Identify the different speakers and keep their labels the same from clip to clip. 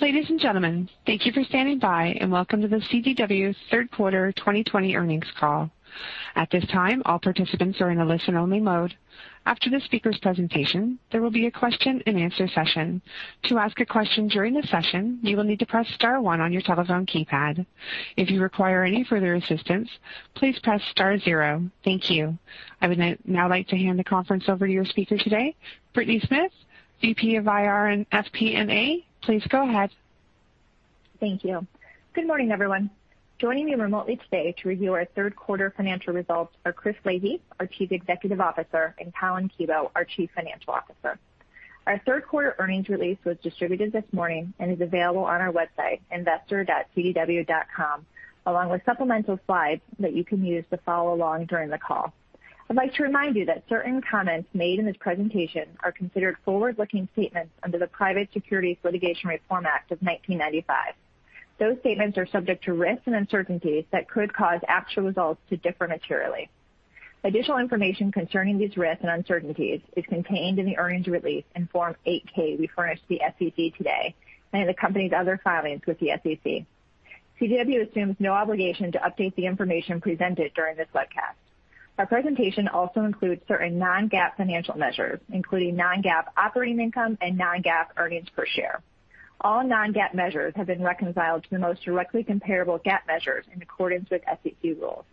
Speaker 1: Ladies and gentlemen, thank you for standing by and welcome to the CDW Third Quarter 2020 Earnings Call. At this time, all participants are in a listen-only mode. After the speaker's presentation, there will be a question-and-answer session. To ask a question during the session, you will need to press star one on your telephone keypad. If you require any further assistance, please press star zero. Thank you. I would now like to hand the conference over to your speaker today, Brittany Smith, VP of IR and FP&A. Please go ahead.
Speaker 2: Thank you. Good morning, everyone. Joining me remotely today to review our third quarter financial results are Christine Leahy, our Chief Executive Officer, and Collin Kebo, our Chief Financial Officer. Our third quarter earnings release was distributed this morning and is available on our website, investor.cdw.com, along with supplemental slides that you can use to follow along during the call. I'd like to remind you that certain comments made in this presentation are considered forward-looking statements under the Private Securities Litigation Reform Act of 1995. Those statements are subject to risks and uncertainties that could cause actual results to differ materially. Additional information concerning these risks and uncertainties is contained in the earnings release in Form 8-K we furnished to the SEC today and in the company's other filings with the SEC. CDW assumes no obligation to update the information presented during this webcast. Our presentation also includes certain non-GAAP financial measures, including non-GAAP operating income and non-GAAP earnings per share. All non-GAAP measures have been reconciled to the most directly comparable GAAP measures in accordance with SEC rules.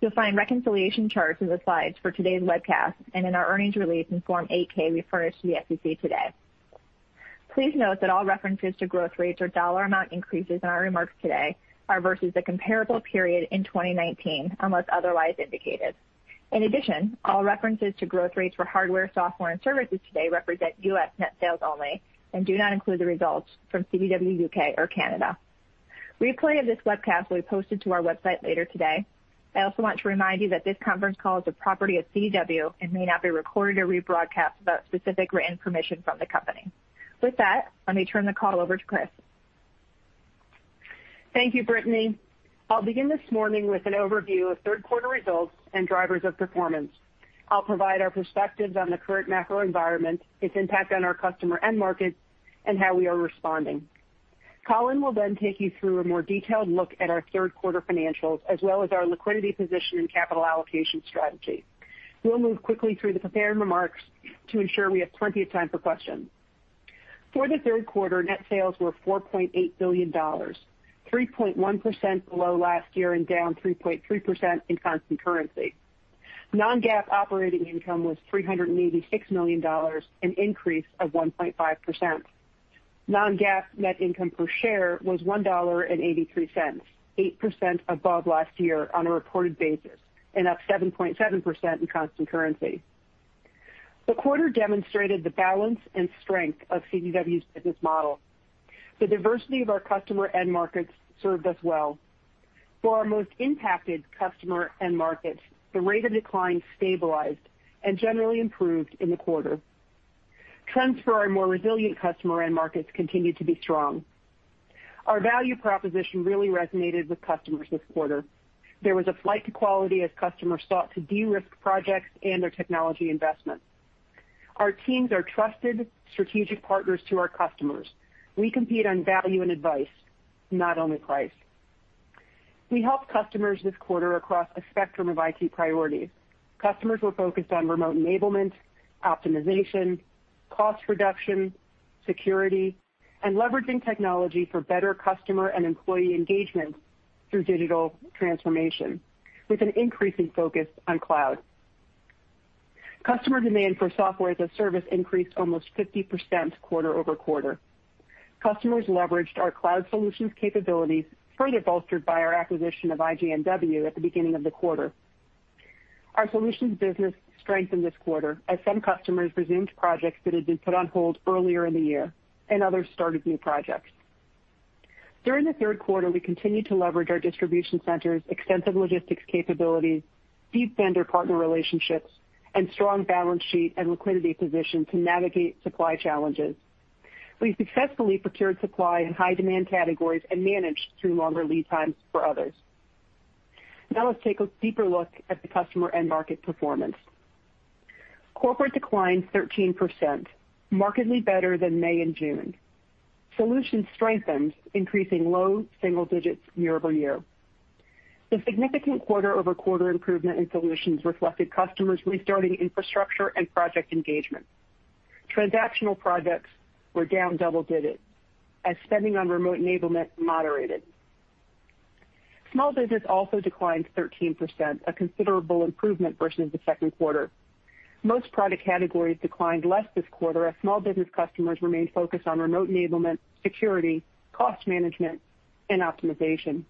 Speaker 2: You'll find reconciliation charts in the slides for today's webcast and in our earnings release in Form 8-K we furnished to the SEC today. Please note that all references to growth rates or dollar amount increases in our remarks today are versus a comparable period in 2019, unless otherwise indicated. In addition, all references to growth rates for hardware, software, and services today represent U.S. net sales only and do not include the results from CDW U.K. or Canada. Replay of this webcast will be posted to our website later today. I also want to remind you that this conference call is the property of CDW and may not be recorded or rebroadcast without specific written permission from the company. With that, let me turn the call over to Chris.
Speaker 3: Thank you, Brittany. I'll begin this morning with an overview of third quarter results and drivers of performance. I'll provide our perspectives on the current macro environment, its impact on our customer and markets, and how we are responding. Collin will then take you through a more detailed look at our third quarter financials as well as our liquidity position and capital allocation strategy. We'll move quickly through the prepared remarks to ensure we have plenty of time for questions. For the third quarter, net sales were $4.8 billion, 3.1% below last year and down 3.3% in constant currency. Non-GAAP operating income was $386 million, an increase of 1.5%. Non-GAAP net income per share was $1.83, 8% above last year on a reported basis and up 7.7% in constant currency. The quarter demonstrated the balance and strength of CDW's business model. The diversity of our customer and markets served us well. For our most impacted customer and markets, the rate of decline stabilized and generally improved in the quarter. Trends for our more resilient customer and markets continued to be strong. Our value proposition really resonated with customers this quarter. There was a flight to quality as customers sought to de-risk projects and their technology investments. Our teams are trusted strategic partners to our customers. We compete on value and advice, not only price. We helped customers this quarter across a spectrum of IT priorities. Customers were focused on remote enablement, optimization, cost reduction, security, and leveraging technology for better customer and employee engagement through digital transformation, with an increasing focus on cloud. Customer demand for Software as a Service increased almost 50% quarter-over-quarter. Customers leveraged our cloud solutions capabilities, further bolstered by our acquisition of IGNW at the beginning of the quarter. Our solutions business strengthened this quarter as some customers resumed projects that had been put on hold earlier in the year, and others started new projects. During the third quarter, we continued to leverage our distribution centers, extensive logistics capabilities, deep vendor partner relationships, and strong balance sheet and liquidity position to navigate supply challenges. We successfully procured supply in high-demand categories and managed through longer lead times for others. Now let's take a deeper look at the customer and market performance. Corporate decline 13%, markedly better than May and June. Solutions strengthened, increasing low single digits year over year. The significant quarter-over-quarter improvement in solutions reflected customers restarting infrastructure and project engagement. Transactional projects were down double digits as spending on remote enablement moderated. Small business also declined 13%, a considerable improvement versus the second quarter. Most product categories declined less this quarter as small business customers remained focused on remote enablement, security, cost management, and optimization.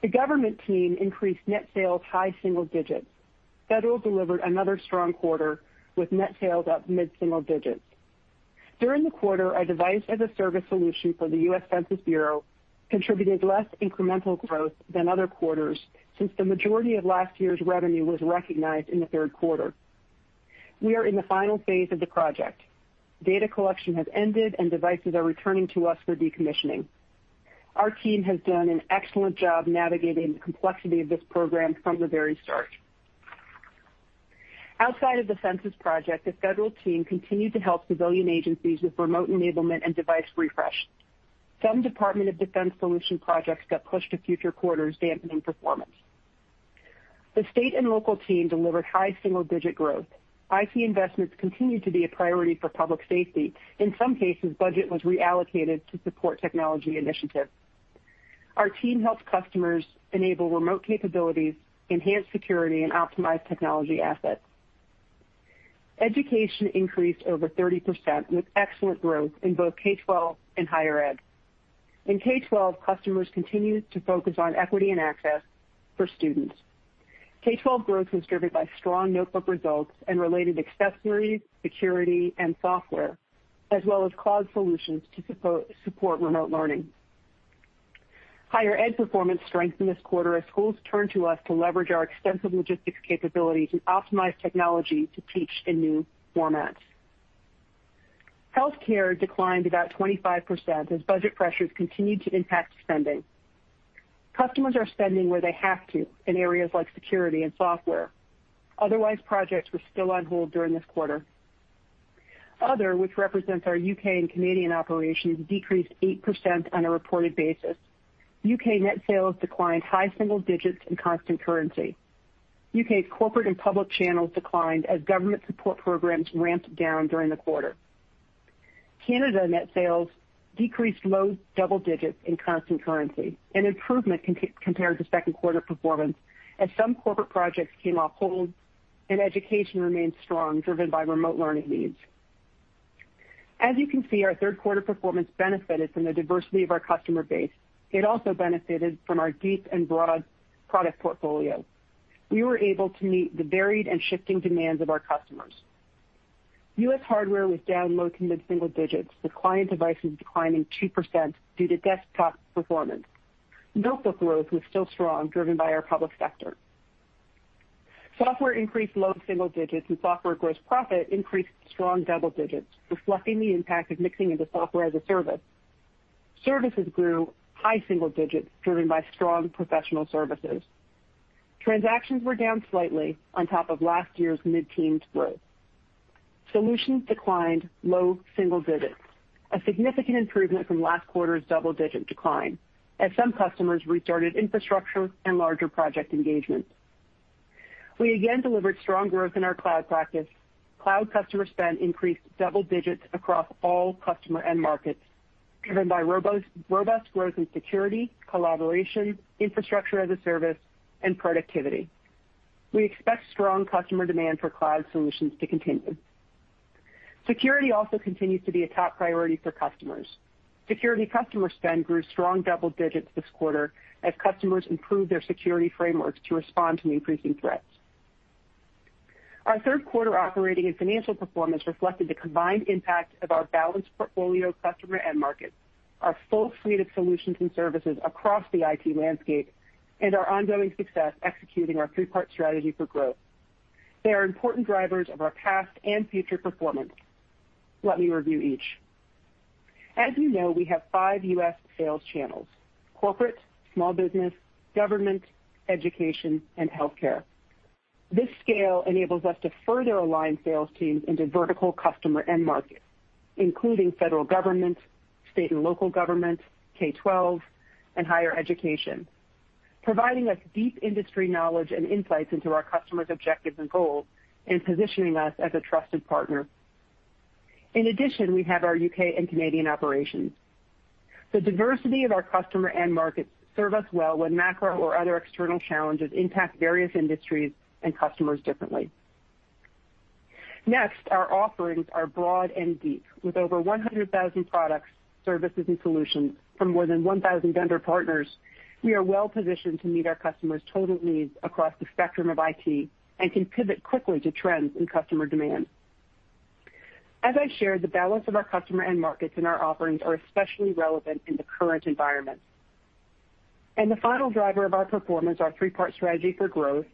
Speaker 3: The government team increased net sales high single digits. Federal delivered another strong quarter with net sales up mid-single digits. During the quarter, a Device as a Service solution for the U.S. Census Bureau contributed less incremental growth than other quarters since the majority of last year's revenue was recognized in the third quarter. We are in the final phase of the project. Data collection has ended, and devices are returning to us for decommissioning. Our team has done an excellent job navigating the complexity of this program from the very start. Outside of the Census project, the federal team continued to help civilian agencies with remote enablement and device refresh. Some Department of Defense solution projects got pushed to future quarters, dampening performance. The state and local team delivered high single-digit growth. IT investments continued to be a priority for public safety. In some cases, budget was reallocated to support technology initiatives. Our team helped customers enable remote capabilities, enhance security, and optimize technology assets. Education increased over 30% with excellent growth in both K-12 and Higher Ed. In K-12, customers continued to focus on equity and access for students. K-12 growth was driven by strong notebook results and related accessories, security, and software, as well as cloud solutions to support remote learning. Higher Ed performance strengthened this quarter as schools turned to us to leverage our extensive logistics capabilities and optimize technology to teach in new formats. Healthcare declined about 25% as budget pressures continued to impact spending. Customers are spending where they have to in areas like security and software. Otherwise, projects were still on hold during this quarter. Other, which represents our U.K. and Canadian operations, decreased 8% on a reported basis. U.K. net sales declined high single digits in constant currency. U.K.'s corporate and public channels declined as government support programs ramped down during the quarter. Canada net sales decreased low double digits in constant currency, an improvement compared to second quarter performance as some corporate projects came off hold and education remained strong, driven by remote learning needs. As you can see, our third quarter performance benefited from the diversity of our customer base. It also benefited from our deep and broad product portfolio. We were able to meet the varied and shifting demands of our customers. U.S. hardware was down low to mid-single digits. The client devices declined 2% due to desktop performance. Notebook growth was still strong, driven by our public sector. Software increased low single digits, and software gross profit increased strong double digits, reflecting the impact of mixing into Software as a Service. Services grew high single digits, driven by strong professional services. Transactions were down slightly on top of last year's mid-teens growth. Solutions declined low single digits, a significant improvement from last quarter's double-digit decline as some customers restarted infrastructure and larger project engagements. We again delivered strong growth in our cloud practice. Cloud customer spend increased double digits across all customer and markets, driven by robust growth in security, collaboration, Infrastructure as a Service, and productivity. We expect strong customer demand for cloud solutions to continue. Security also continues to be a top priority for customers. Security customer spend grew strong double digits this quarter as customers improved their security frameworks to respond to increasing threats. Our third quarter operating and financial performance reflected the combined impact of our balanced portfolio of customer and markets, our full suite of solutions and services across the IT landscape, and our ongoing success executing our three-part strategy for growth. They are important drivers of our past and future performance. Let me review each. As you know, we have five U.S. sales channels: corporate, small business, government, education, and healthcare. This scale enables us to further align sales teams into vertical customer and market, including federal government, state and local government, K-12, and higher education, providing us deep industry knowledge and insights into our customers' objectives and goals and positioning us as a trusted partner. In addition, we have our U.K. and Canadian operations. The diversity of our customer and markets serves us well when macro or other external challenges impact various industries and customers differently. Next, our offerings are broad and deep. With over 100,000 products, services, and solutions from more than 1,000 vendor partners, we are well positioned to meet our customers' total needs across the spectrum of IT and can pivot quickly to trends in customer demand. As I shared, the balance of our customer and markets in our offerings is especially relevant in the current environment, and the final driver of our performance is our three-part strategy for growth,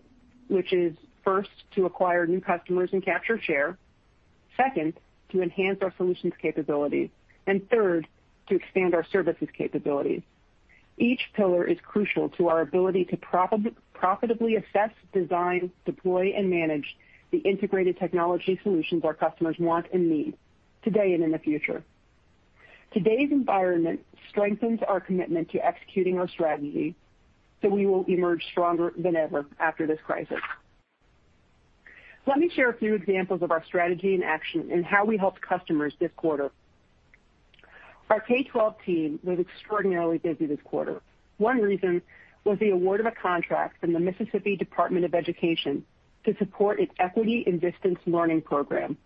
Speaker 3: which is first to acquire new customers and capture share, second to enhance our solutions capabilities, and third to expand our services capabilities. Each pillar is crucial to our ability to profitably assess, design, deploy, and manage the integrated technology solutions our customers want and need today and in the future. Today's environment strengthens our commitment to executing our strategy, so we will emerge stronger than ever after this crisis. Let me share a few examples of our strategy in action and how we helped customers this quarter. Our K-12 team was extraordinarily busy this quarter. One reason was the award of a contract from the Mississippi Department of Education to support its equity in distance learning program.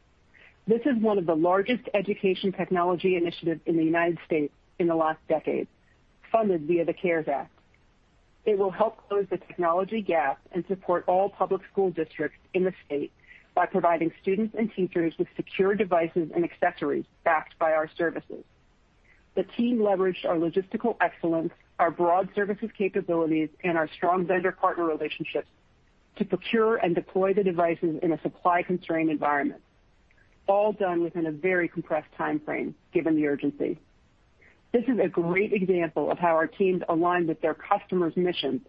Speaker 3: This is one of the largest education technology initiatives in the United States in the last decade, funded via the CARES Act. It will help close the technology gap and support all public school districts in the state by providing students and teachers with secure devices and accessories backed by our services. The team leveraged our logistical excellence, our broad services capabilities, and our strong vendor partner relationships to procure and deploy the devices in a supply-constrained environment, all done within a very compressed timeframe given the urgency. This is a great example of how our teams align with their customers' missions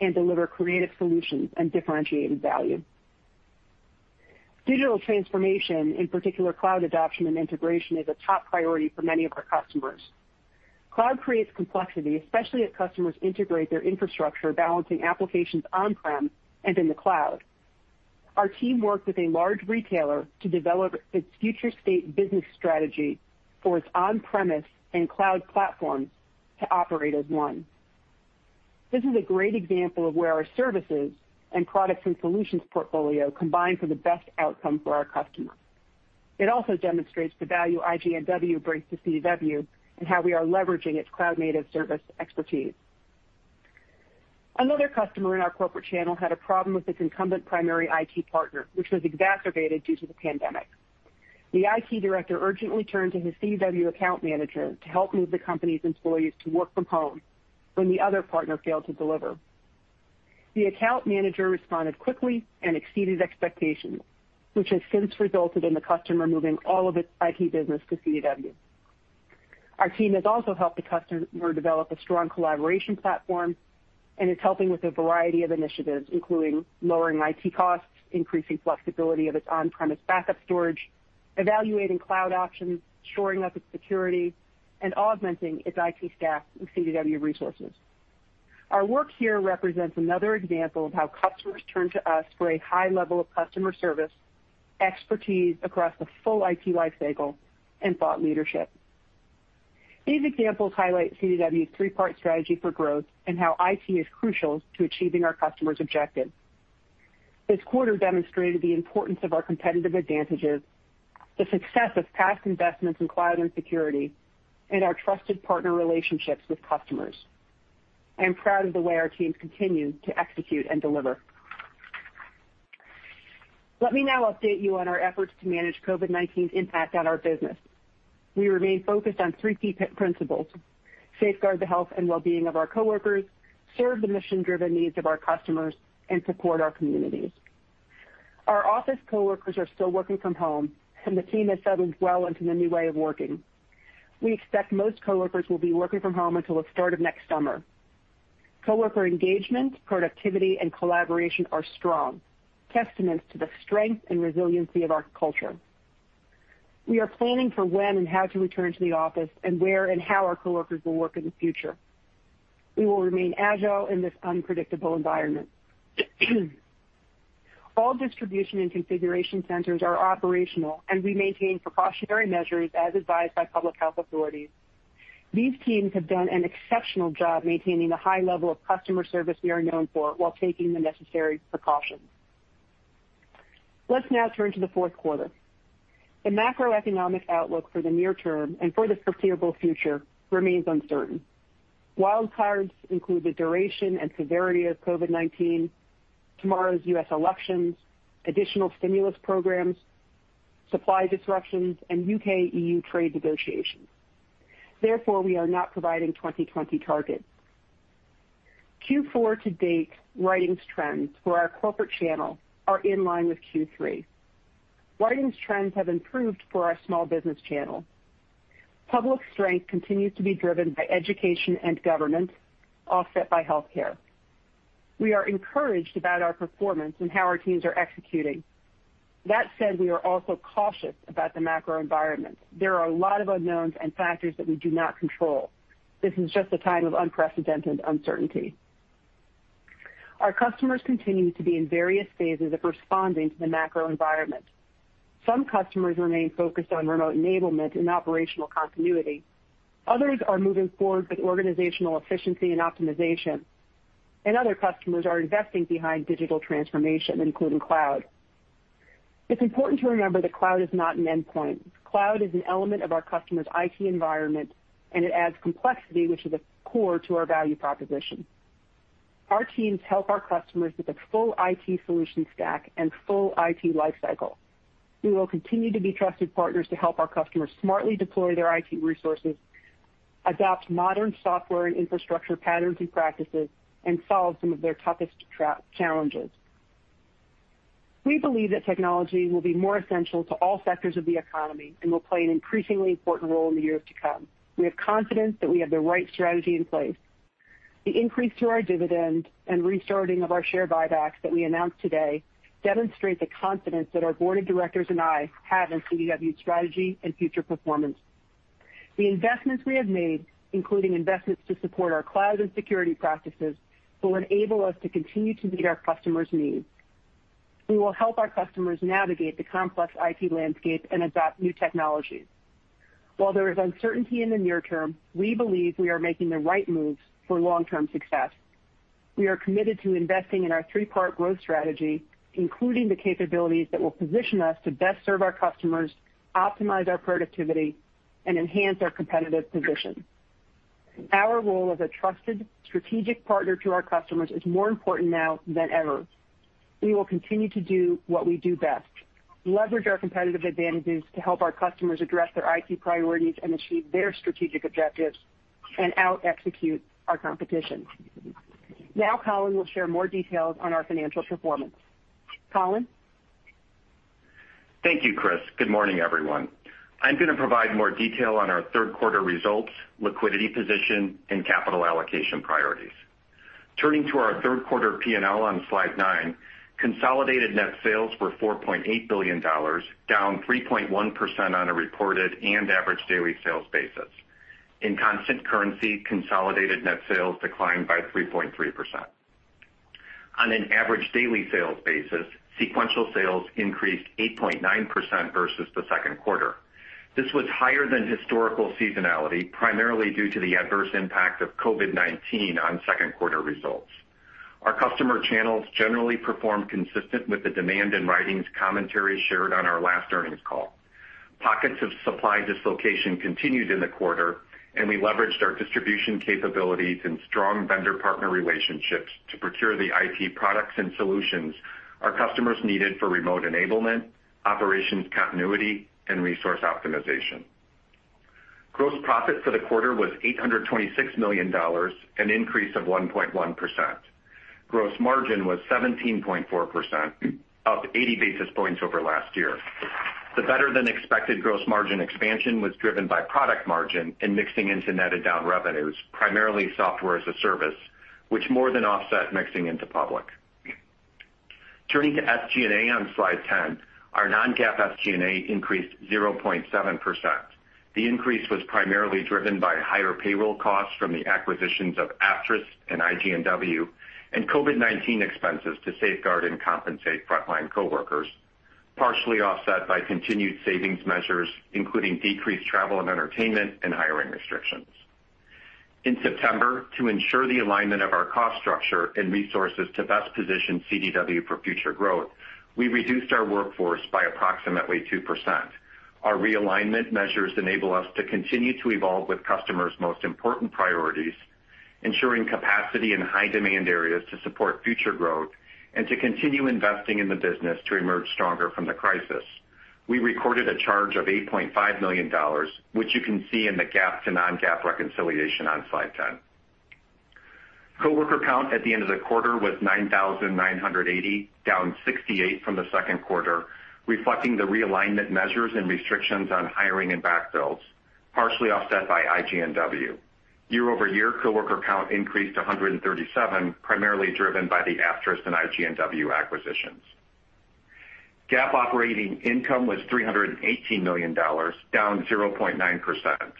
Speaker 3: and deliver creative solutions and differentiated value. Digital transformation, in particular cloud adoption and integration, is a top priority for many of our customers. Cloud creates complexity, especially as customers integrate their infrastructure, balancing applications on-prem and in the cloud. Our team worked with a large retailer to develop its future state business strategy for its on-premises and cloud platforms to operate as one. This is a great example of where our services and products and solutions portfolio combine for the best outcome for our customers. It also demonstrates the value IGNW brings to CDW and how we are leveraging its cloud-native service expertise. Another customer in our corporate channel had a problem with its incumbent primary IT partner, which was exacerbated due to the pandemic. The IT director urgently turned to his CDW account manager to help move the company's employees to work from home when the other partner failed to deliver. The account manager responded quickly and exceeded expectations, which has since resulted in the customer moving all of its IT business to CDW. Our team has also helped the customer develop a strong collaboration platform and is helping with a variety of initiatives, including lowering IT costs, increasing flexibility of its on-premises backup storage, evaluating cloud options, shoring up its security, and augmenting its IT staff with CDW resources. Our work here represents another example of how customers turn to us for a high level of customer service, expertise across the full IT lifecycle, and thought leadership. These examples highlight CDW's three-part strategy for growth and how IT is crucial to achieving our customers' objectives. This quarter demonstrated the importance of our competitive advantages, the success of past investments in cloud and security, and our trusted partner relationships with customers. I am proud of the way our teams continue to execute and deliver. Let me now update you on our efforts to manage COVID-19's impact on our business. We remain focused on three key principles: safeguard the health and well-being of our coworkers, serve the mission-driven needs of our customers, and support our communities. Our office coworkers are still working from home, and the team has settled well into the new way of working. We expect most coworkers will be working from home until the start of next summer. Coworker engagement, productivity, and collaboration are strong, testaments to the strength and resiliency of our culture. We are planning for when and how to return to the office and where and how our coworkers will work in the future. We will remain agile in this unpredictable environment. All distribution and configuration centers are operational, and we maintain precautionary measures as advised by public health authorities. These teams have done an exceptional job maintaining the high level of customer service we are known for while taking the necessary precautions. Let's now turn to the fourth quarter. The macroeconomic outlook for the near term and for the foreseeable future remains uncertain. Wild cards include the duration and severity of COVID-19, tomorrow's U.S. elections, additional stimulus programs, supply disruptions, and UK-EU trade negotiations. Therefore, we are not providing 2020 targets. Q4 to date, sales trends for our corporate channel are in line with Q3. Sales trends have improved for our small business channel. Public strength continues to be driven by education and government, offset by healthcare. We are encouraged about our performance and how our teams are executing. That said, we are also cautious about the macro environment. There are a lot of unknowns and factors that we do not control. This is just a time of unprecedented uncertainty. Our customers continue to be in various phases of responding to the macro environment. Some customers remain focused on remote enablement and operational continuity. Others are moving forward with organizational efficiency and optimization. And other customers are investing behind digital transformation, including cloud. It's important to remember that cloud is not an endpoint. Cloud is an element of our customer's IT environment, and it adds complexity, which is a core to our value proposition. Our teams help our customers with a full IT solution stack and full IT lifecycle. We will continue to be trusted partners to help our customers smartly deploy their IT resources, adopt modern software and infrastructure patterns and practices, and solve some of their toughest challenges. We believe that technology will be more essential to all sectors of the economy and will play an increasingly important role in the years to come. We have confidence that we have the right strategy in place. The increase to our dividend and restarting of our share buybacks that we announced today demonstrate the confidence that our board of directors and I have in CDW's strategy and future performance. The investments we have made, including investments to support our cloud and security practices, will enable us to continue to meet our customers' needs. We will help our customers navigate the complex IT landscape and adopt new technologies. While there is uncertainty in the near term, we believe we are making the right moves for long-term success. We are committed to investing in our three-part growth strategy, including the capabilities that will position us to best serve our customers, optimize our productivity, and enhance our competitive position. Our role as a trusted strategic partner to our customers is more important now than ever. We will continue to do what we do best: leverage our competitive advantages to help our customers address their IT priorities and achieve their strategic objectives and out-execute our competition. Now, Collin will share more details on our financial performance. Collin?
Speaker 4: Thank you, Chris. Good morning, everyone. I'm going to provide more detail on our third-quarter results, liquidity position, and capital allocation priorities. Turning to our third-quarter P&L on slide nine, consolidated net sales were $4.8 billion, down 3.1% on a reported and average daily sales basis. In constant currency, consolidated net sales declined by 3.3%. On an average daily sales basis, sequential sales increased 8.9% versus the second quarter. This was higher than historical seasonality, primarily due to the adverse impact of COVID-19 on second-quarter results. Our customer channels generally performed consistent with the demand in Christine's commentary shared on our last earnings call. Pockets of supply dislocation continued in the quarter, and we leveraged our distribution capabilities and strong vendor partner relationships to procure the IT products and solutions our customers needed for remote enablement, operations continuity, and resource optimization. Gross profit for the quarter was $826 million, an increase of 1.1%. Gross margin was 17.4%, up 80 basis points over last year. The better-than-expected gross margin expansion was driven by product margin and mixing into netted down revenues, primarily Software as a Service, which more than offset mixing into public. Turning to SG&A on slide 10, our non-GAAP SG&A increased 0.7%. The increase was primarily driven by higher payroll costs from the acquisitions of Aptris and IGNW and COVID-19 expenses to safeguard and compensate frontline coworkers, partially offset by continued savings measures, including decreased travel and entertainment and hiring restrictions. In September, to ensure the alignment of our cost structure and resources to best position CDW for future growth, we reduced our workforce by approximately 2%. Our realignment measures enable us to continue to evolve with customers' most important priorities, ensuring capacity in high-demand areas to support future growth and to continue investing in the business to emerge stronger from the crisis. We recorded a charge of $8.5 million, which you can see in the GAAP to non-GAAP reconciliation on slide 10. Coworker count at the end of the quarter was 9,980, down 68 from the second quarter, reflecting the realignment measures and restrictions on hiring and backfills, partially offset by IGNW. Year-over-year, coworker count increased to 137, primarily driven by the Aptris and IGNW acquisitions. GAAP operating income was $318 million, down 0.9%.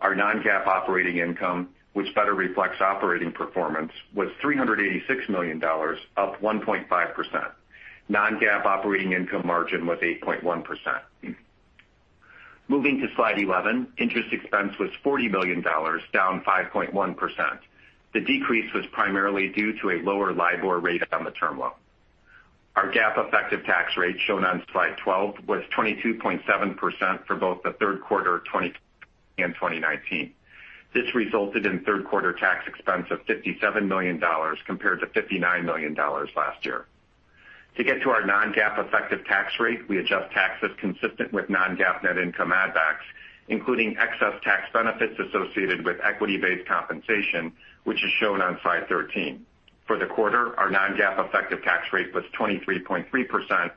Speaker 4: Our non-GAAP operating income, which better reflects operating performance, was $386 million, up 1.5%. Non-GAAP operating income margin was 8.1%. Moving to slide 11, interest expense was $40 million, down 5.1%. The decrease was primarily due to a lower LIBOR rate on the term loan. Our GAAP effective tax rate shown on slide 12 was 22.7% for both the third quarter of 2020 and 2019. This resulted in third-quarter tax expense of $57 million compared to $59 million last year. To get to our non-GAAP effective tax rate, we adjust taxes consistent with non-GAAP net income add-backs, including excess tax benefits associated with equity-based compensation, which is shown on slide 13. For the quarter, our non-GAAP effective tax rate was 23.3%,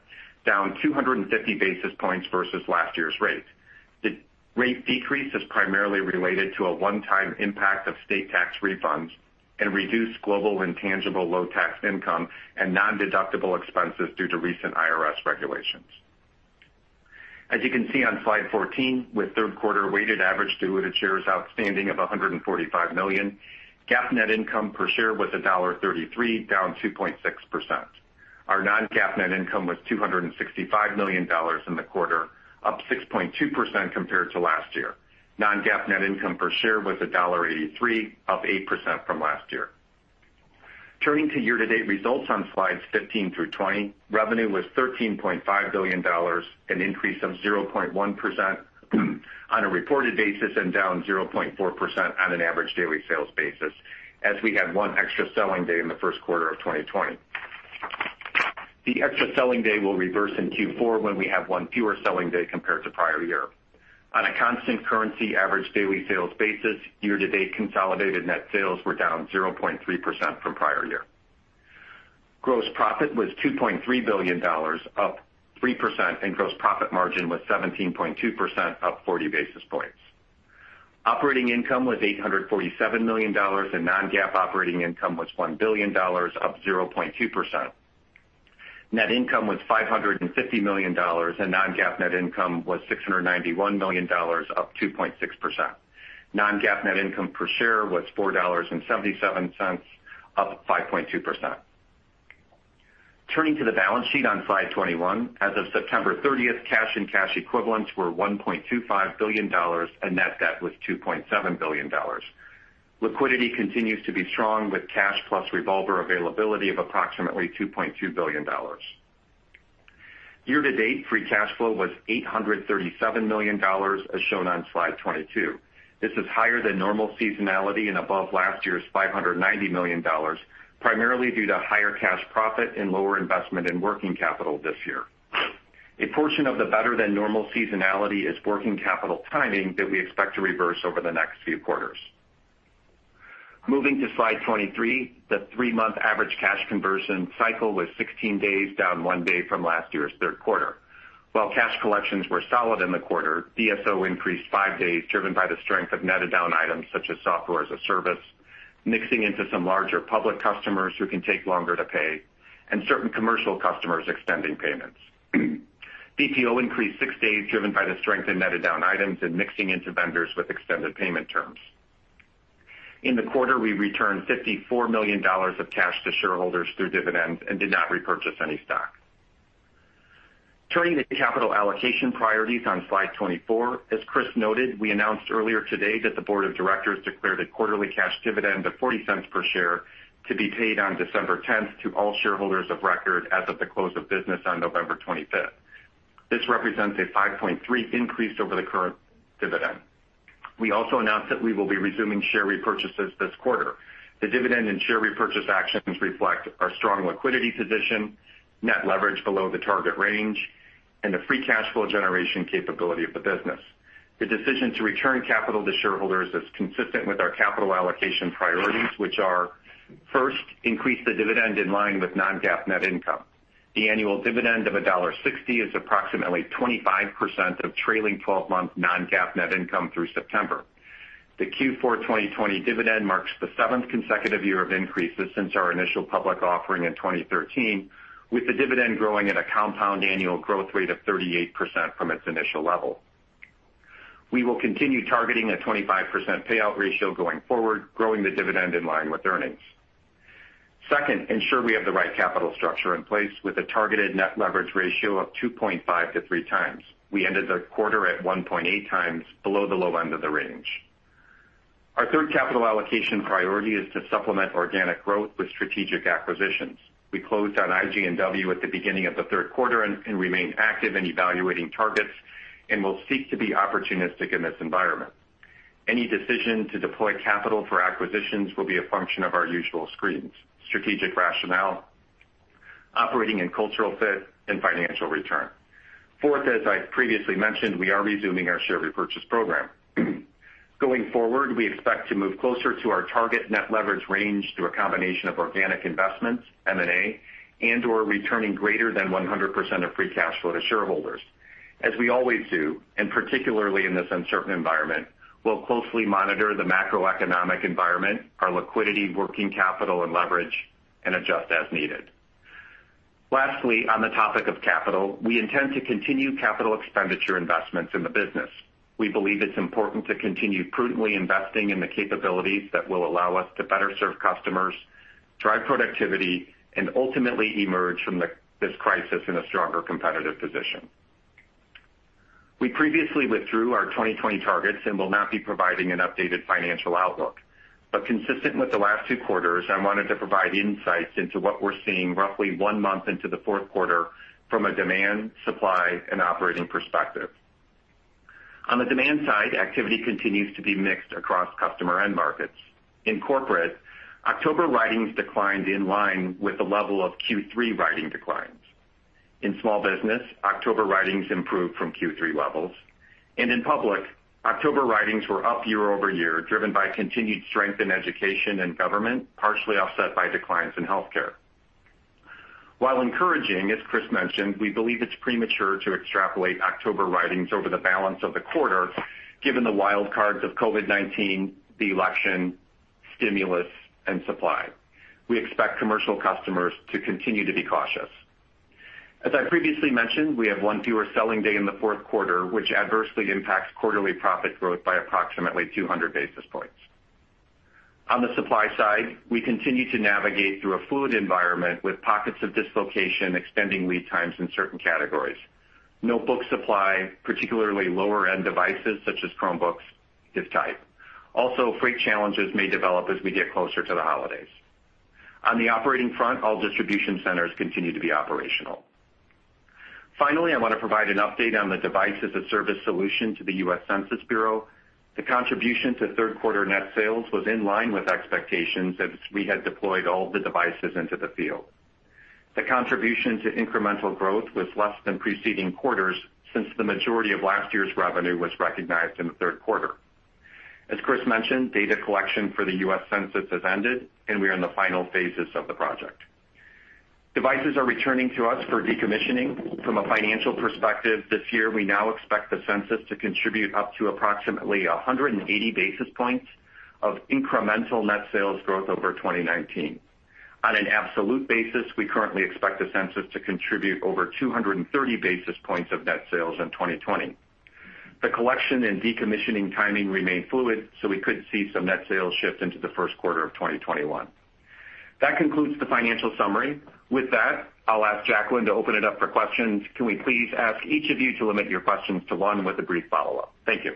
Speaker 4: down 250 basis points versus last year's rate. The rate decrease is primarily related to a one-time impact of state tax refunds and reduced Global Intangible Low-Taxed Income and non-deductible expenses due to recent IRS regulations. As you can see on slide 14, with third-quarter weighted average diluted shares outstanding of 145 million, GAAP net income per share was $1.33, down 2.6%. Our non-GAAP net income was $265 million in the quarter, up 6.2% compared to last year. Non-GAAP net income per share was $1.83, up 8% from last year. Turning to year-to-date results on slides 15 through 20, revenue was $13.5 billion, an increase of 0.1% on a reported basis and down 0.4% on an average daily sales basis, as we had one extra selling day in the first quarter of 2020. The extra selling day will reverse in Q4 when we have one fewer selling day compared to prior year. On a constant currency average daily sales basis, year-to-date consolidated net sales were down 0.3% from prior year. Gross profit was $2.3 billion, up 3%, and gross profit margin was 17.2%, up 40 basis points. Operating income was $847 million, and non-GAAP operating income was $1 billion, up 0.2%. Net income was $550 million, and non-GAAP net income was $691 million, up 2.6%. Non-GAAP net income per share was $4.77, up 5.2%. Turning to the balance sheet on slide 21, as of September 30, cash and cash equivalents were $1.25 billion, and net debt was $2.7 billion. Liquidity continues to be strong, with cash plus revolver availability of approximately $2.2 billion. Year-to-date free cash flow was $837 million, as shown on slide 22. This is higher than normal seasonality and above last year's $590 million, primarily due to higher cash profit and lower investment in working capital this year. A portion of the better-than-normal seasonality is working capital timing that we expect to reverse over the next few quarters. Moving to slide 23, the three-month average cash conversion cycle was 16 days, down one day from last year's third quarter. While cash collections were solid in the quarter, DSO increased five days, driven by the strength of netted down items such as Software as a Service, mixing into some larger public customers who can take longer to pay, and certain commercial customers extending payments. DPO increased six days, driven by the strength in netted down items and mixing into vendors with extended payment terms. In the quarter, we returned $54 million of cash to shareholders through dividends and did not repurchase any stock. Turning to capital allocation priorities on slide 24, as Chris noted, we announced earlier today that the board of directors declared a quarterly cash dividend of $0.40 per share to be paid on December 10 to all shareholders of record as of the close of business on November 25. This represents a 5.3% increase over the current dividend. We also announced that we will be resuming share repurchases this quarter. The dividend and share repurchase actions reflect our strong liquidity position, net leverage below the target range, and the free cash flow generation capability of the business. The decision to return capital to shareholders is consistent with our capital allocation priorities, which are, first, increase the dividend in line with non-GAAP net income. The annual dividend of $1.60 is approximately 25% of trailing 12-month non-GAAP net income through September. The Q4 2020 dividend marks the seventh consecutive year of increases since our initial public offering in 2013, with the dividend growing at a compound annual growth rate of 38% from its initial level. We will continue targeting a 25% payout ratio going forward, growing the dividend in line with earnings. Second, ensure we have the right capital structure in place with a targeted net leverage ratio of 2.5 to 3 times. We ended the quarter at 1.8 times, below the low end of the range. Our third capital allocation priority is to supplement organic growth with strategic acquisitions. We closed on IGNW at the beginning of the third quarter and remain active in evaluating targets and will seek to be opportunistic in this environment. Any decision to deploy capital for acquisitions will be a function of our usual screens: strategic rationale, operating and cultural fit, and financial return. Fourth, as I previously mentioned, we are resuming our share repurchase program. Going forward, we expect to move closer to our target net leverage range through a combination of organic investments, M&A, and/or returning greater than 100% of free cash flow to shareholders. As we always do, and particularly in this uncertain environment, we'll closely monitor the macroeconomic environment, our liquidity, working capital, and leverage, and adjust as needed. Lastly, on the topic of capital, we intend to continue capital expenditure investments in the business. We believe it's important to continue prudently investing in the capabilities that will allow us to better serve customers, drive productivity, and ultimately emerge from this crisis in a stronger competitive position. We previously withdrew our 2020 targets and will not be providing an updated financial outlook. But consistent with the last two quarters, I wanted to provide insights into what we're seeing roughly one month into the fourth quarter from a demand, supply, and operating perspective. On the demand side, activity continues to be mixed across customers and markets. In corporate, October writings declined in line with the level of Q3 writing declines. In small business, October writings improved from Q3 levels. In public, October writings were up year-over-year, driven by continued strength in education and government, partially offset by declines in healthcare. While encouraging, as Chris mentioned, we believe it's premature to extrapolate October writings over the balance of the quarter, given the wild cards of COVID-19, the election, stimulus, and supply. We expect commercial customers to continue to be cautious. As I previously mentioned, we have one fewer selling day in the fourth quarter, which adversely impacts quarterly profit growth by approximately 200 basis points. On the supply side, we continue to navigate through a fluid environment with pockets of dislocation, extending lead times in certain categories. Notebook supply, particularly lower-end devices such as Chromebooks, is tight. Also, freight challenges may develop as we get closer to the holidays. On the operating front, all distribution centers continue to be operational. Finally, I want to provide an update on the Device as a Service solution to the U.S. Census Bureau. The contribution to third-quarter net sales was in line with expectations as we had deployed all of the devices into the field. The contribution to incremental growth was less than preceding quarters since the majority of last year's revenue was recognized in the third quarter. As Chris mentioned, data collection for the U.S. Census has ended, and we are in the final phases of the project. Devices are returning to us for decommissioning. From a financial perspective, this year, we now expect the Census to contribute up to approximately 180 basis points of incremental net sales growth over 2019. On an absolute basis, we currently expect the Census to contribute over 230 basis points of net sales in 2020.
Speaker 3: The collection and decommissioning timing remained fluid, so we could see some net sales shift into the first quarter of 2021. That concludes the financial summary. With that, I'll ask Jacqueline to open it up for questions. Can we please ask each of you to limit your questions to one with a brief follow-up? Thank you.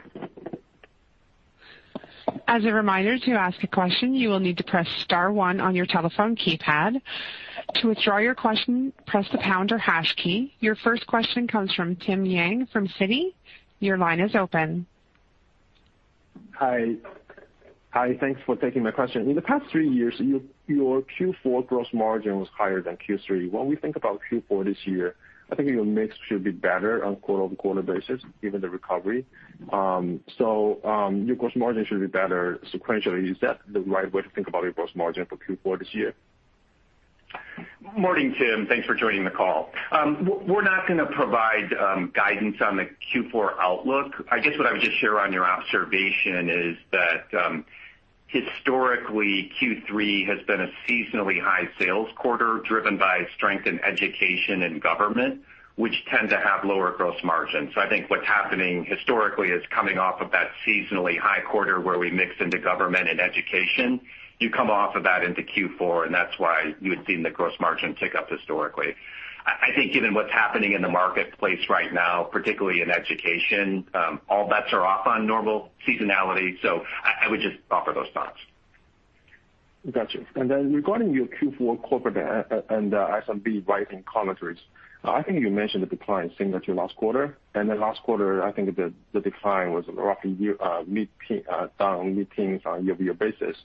Speaker 1: As a reminder to ask a question, you will need to press star one on your telephone keypad. To withdraw your question, press the pound or hash key. Your first question comes from Tim Yang from Citi. Your line is open.
Speaker 5: Hi. Hi. Thanks for taking my question. In the past three years, your Q4 gross margin was higher than Q3. When we think about Q4 this year, I think your mix should be better on quote-unquote basis, given the recovery. So your gross margin should be better sequentially. Is that the right way to think about your gross margin for Q4 this year?
Speaker 4: Morning, Tim. Thanks for joining the call. We're not going to provide guidance on the Q4 outlook. I guess what I would just share on your observation is that historically, Q3 has been a seasonally high sales quarter, driven by strength in education and government, which tend to have lower gross margins. So I think what's happening historically is coming off of that seasonally high quarter where we mix into government and education. You come off of that into Q4, and that's why you had seen the gross margin tick up historically. I think given what's happening in the marketplace right now, particularly in education, all bets are off on normal seasonality. So I would just offer those thoughts.
Speaker 5: Gotcha. Regarding your Q4 corporate and SMB guidance commentaries, I think you mentioned the decline similar to last quarter. Last quarter, I think the decline was roughly mid-teens on a yearly basis.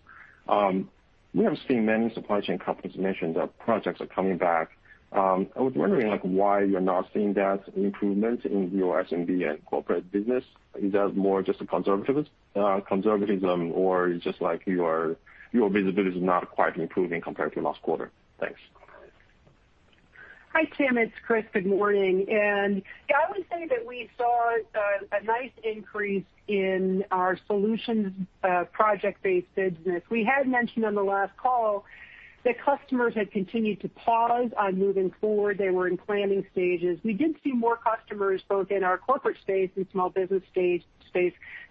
Speaker 5: We have seen many supply chain companies mention that projects are coming back. I was wondering why you are not seeing that improvement in your SMB and corporate business. Is that more just conservatism, or is it just like your visibility is not quite improving compared to last quarter? Thanks.
Speaker 3: Hi, Tim. It's Chris. Good morning. Yeah, I would say that we saw a nice increase in our solutions project-based business. We had mentioned on the last call that customers had continued to pause on moving forward. They were in planning stages. We did see more customers, both in our corporate space and small business space,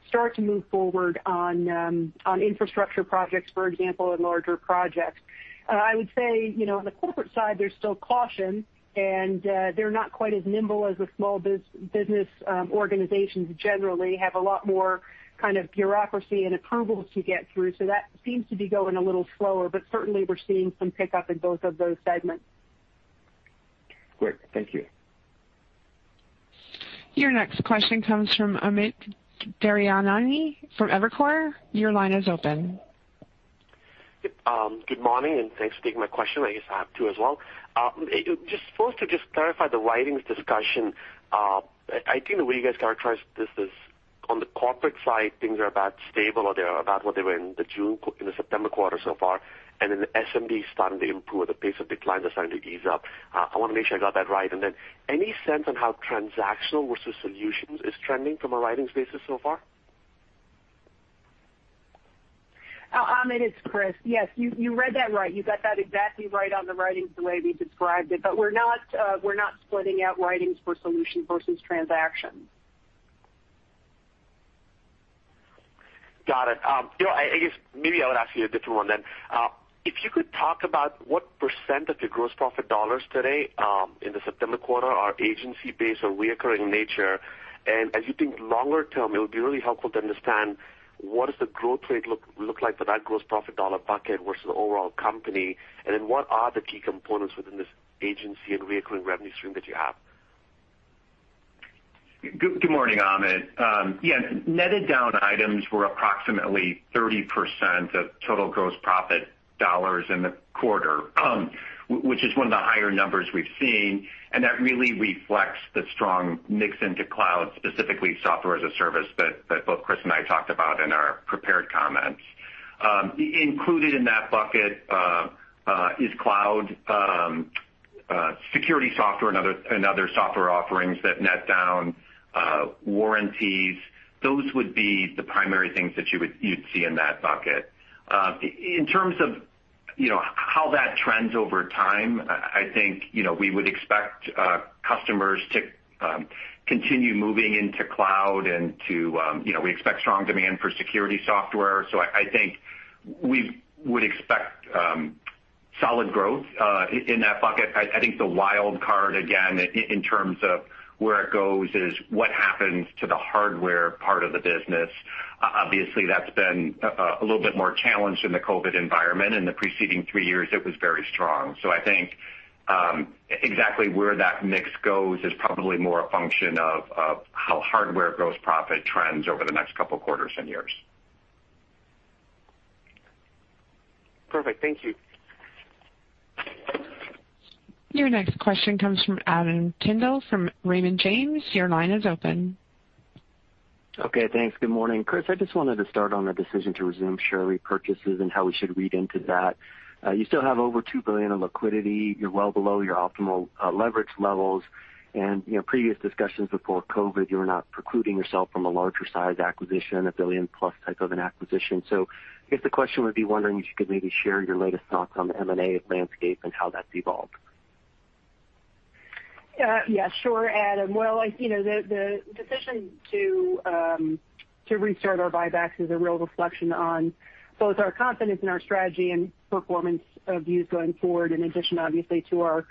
Speaker 3: start to move forward on infrastructure projects, for example, and larger projects. I would say on the corporate side, there's still caution, and they're not quite as nimble as the small business organizations generally have a lot more kind of bureaucracy and approvals to get through. So that seems to be going a little slower, but certainly we're seeing some pickup in both of those segments.
Speaker 5: Great. Thank you.
Speaker 1: Your next question comes from Amit Daryanani from Evercore. Your line is open.
Speaker 6: Good morning, and thanks for taking my question. I guess I have two as well. Just first, to just clarify the bookings discussion, I think the way you guys characterize this is on the corporate side, things are about stable, or they're about what they were in the September quarter so far, and then the SMB is starting to improve. The pace of declines are starting to ease up. I want to make sure I got that right. And then any sense on how transactional versus solutions is trending from a bookings basis so far?
Speaker 3: Amit, it's Chris. Yes, you read that right. You got that exactly right on the bookings the way we described it, but we're not splitting out bookings for solution versus transaction.
Speaker 6: Got it. I guess maybe I would ask you a different one then. If you could talk about what % of your gross profit dollars today in the September quarter are agency-based or recurring in nature. As you think longer term, it would be really helpful to understand what does the growth rate look like for that gross profit dollar bucket versus the overall company, and then what are the key components within this annuity and recurring revenue stream that you have?
Speaker 4: Good morning, Amit. Yeah, netted down items were approximately 30% of total gross profit dollars in the quarter, which is one of the higher numbers we've seen, and that really reflects the strong mix into cloud, specifically Software as a Service that both Chris and I talked about in our prepared comments. Included in that bucket is cloud, security software, and other software offerings that netted down warranties. Those would be the primary things that you'd see in that bucket. In terms of how that trends over time, I think we would expect customers to continue moving into cloud, and we expect strong demand for security software. So I think we would expect solid growth in that bucket. I think the wild card, again, in terms of where it goes, is what happens to the hardware part of the business. Obviously, that's been a little bit more challenged in the COVID environment. In the preceding three years, it was very strong. So I think exactly where that mix goes is probably more a function of how hardware gross profit trends over the next couple of quarters and years.
Speaker 6: Perfect. Thank you.
Speaker 1: Your next question comes from Adam Tindle from Raymond James. Your line is open.
Speaker 7: Okay. Thanks. Good morning. Chris, I just wanted to start on the decision to resume share repurchases and how we should read into that. You still have over $2 billion in liquidity. You're well below your optimal leverage levels, and previous discussions before COVID, you were not precluding yourself from a larger-sized acquisition, a $1 billion-plus type of an acquisition. So I guess the question would be wondering if you could maybe share your latest thoughts on the M&A landscape and how that's evolved?
Speaker 3: Yeah, sure, Adam. Well, the decision to restart our buybacks is a real reflection on both our confidence in our strategy and performance views going forward, in addition, obviously, to our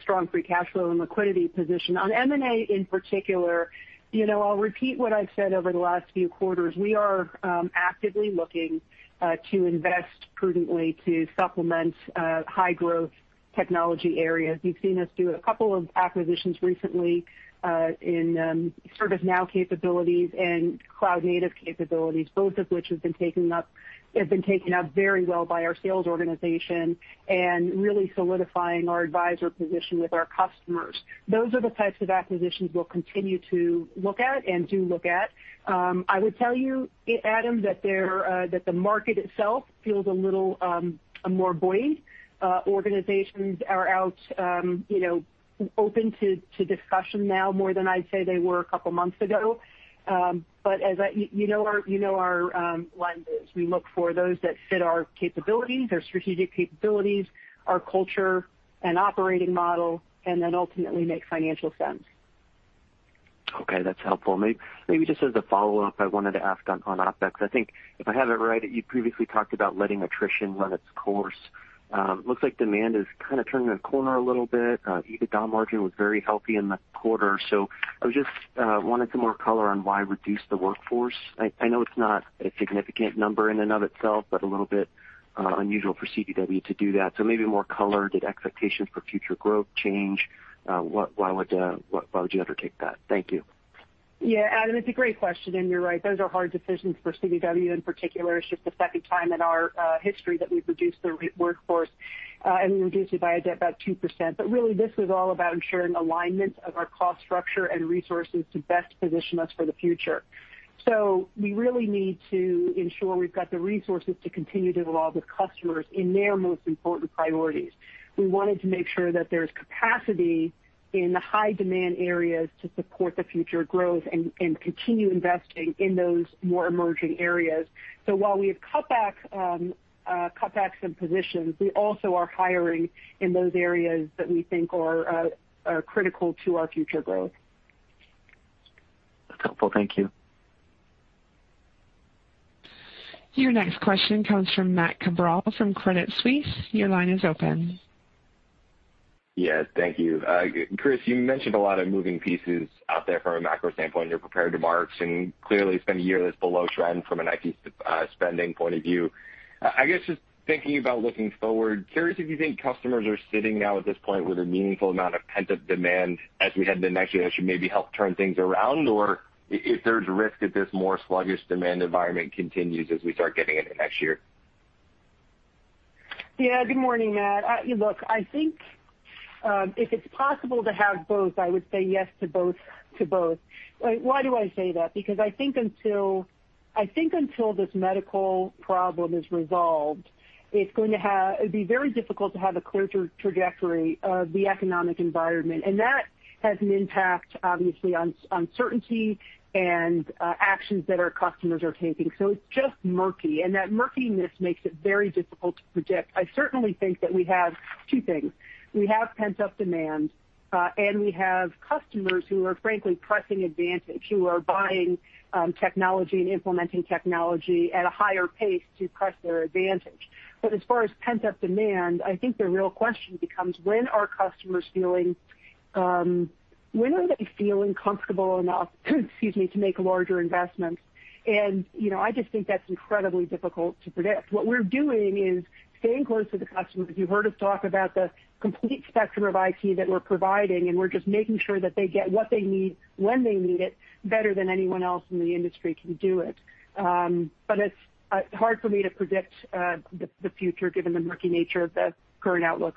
Speaker 3: strong free cash flow and liquidity position. On M&A in particular, I'll repeat what I've said over the last few quarters. We are actively looking to invest prudently to supplement high-growth technology areas. You've seen us do a couple of acquisitions recently in ServiceNow capabilities and cloud-native capabilities, both of which have been taken up very well by our sales organization and really solidifying our advisor position with our customers. Those are the types of acquisitions we'll continue to look at and do look at. I would tell you, Adam, that the market itself feels a little more buoyant. Organizations are now open to discussion now more than I'd say they were a couple of months ago. But as you know, our lenses, we look for those that fit our capabilities, our strategic capabilities, our culture and operating model, and then ultimately make financial sense.
Speaker 7: Okay. That's helpful. Maybe just as a follow-up, I wanted to ask on some aspects. I think if I have it right, you previously talked about letting attrition run its course. Looks like demand is kind of turning the corner a little bit. EBITDA margin was very healthy in the quarter. So I just wanted some more color on why reduce the workforce. I know it's not a significant number in and of itself, but a little bit unusual for CDW to do that. So maybe more color. Did expectations for future growth change? Why would you undertake that? Thank you.
Speaker 3: Yeah, Adam, it's a great question. And you're right. Those are hard decisions for CDW in particular. It's just the second time in our history that we've reduced the workforce, and we reduced it by about 2%. But really, this was all about ensuring alignment of our cost structure and resources to best position us for the future. So we really need to ensure we've got the resources to continue to evolve with customers in their most important priorities. We wanted to make sure that there's capacity in the high-demand areas to support the future growth and continue investing in those more emerging areas. So while we have cut back some positions, we also are hiring in those areas that we think are critical to our future growth.
Speaker 7: That's helpful. Thank you.
Speaker 1: Your next question comes from Matt Cabral from Credit Suisse. Your line is open.
Speaker 8: Yes. Thank you. Chris, you mentioned a lot of moving pieces out there from a macro standpoint. You're prepared to manage and clearly a spendy year that's below trend from an IT spending point of view. I guess just thinking about looking forward, curious if you think customers are sitting now at this point with a meaningful amount of pent-up demand as we head into next year that should maybe help turn things around, or if there's risk that this more sluggish demand environment continues as we start getting into next year?
Speaker 3: Yeah. Good morning, Matt. Look, I think if it's possible to have both, I would say yes to both. Why do I say that? Because I think until this medical problem is resolved, it's going to be very difficult to have a clear trajectory of the economic environment. And that has an impact, obviously, on uncertainty and actions that our customers are taking. So it's just murky. And that murkiness makes it very difficult to predict. I certainly think that we have two things. We have pent-up demand, and we have customers who are, frankly, pressing advantage, who are buying technology and implementing technology at a higher pace to press their advantage. But as far as pent-up demand, I think the real question becomes, when are customers feeling comfortable enough, excuse me, to make larger investments? And I just think that's incredibly difficult to predict. What we're doing is staying close to the customers. You've heard us talk about the complete spectrum of IT that we're providing, and we're just making sure that they get what they need when they need it better than anyone else in the industry can do it. But it's hard for me to predict the future given the murky nature of the current outlook.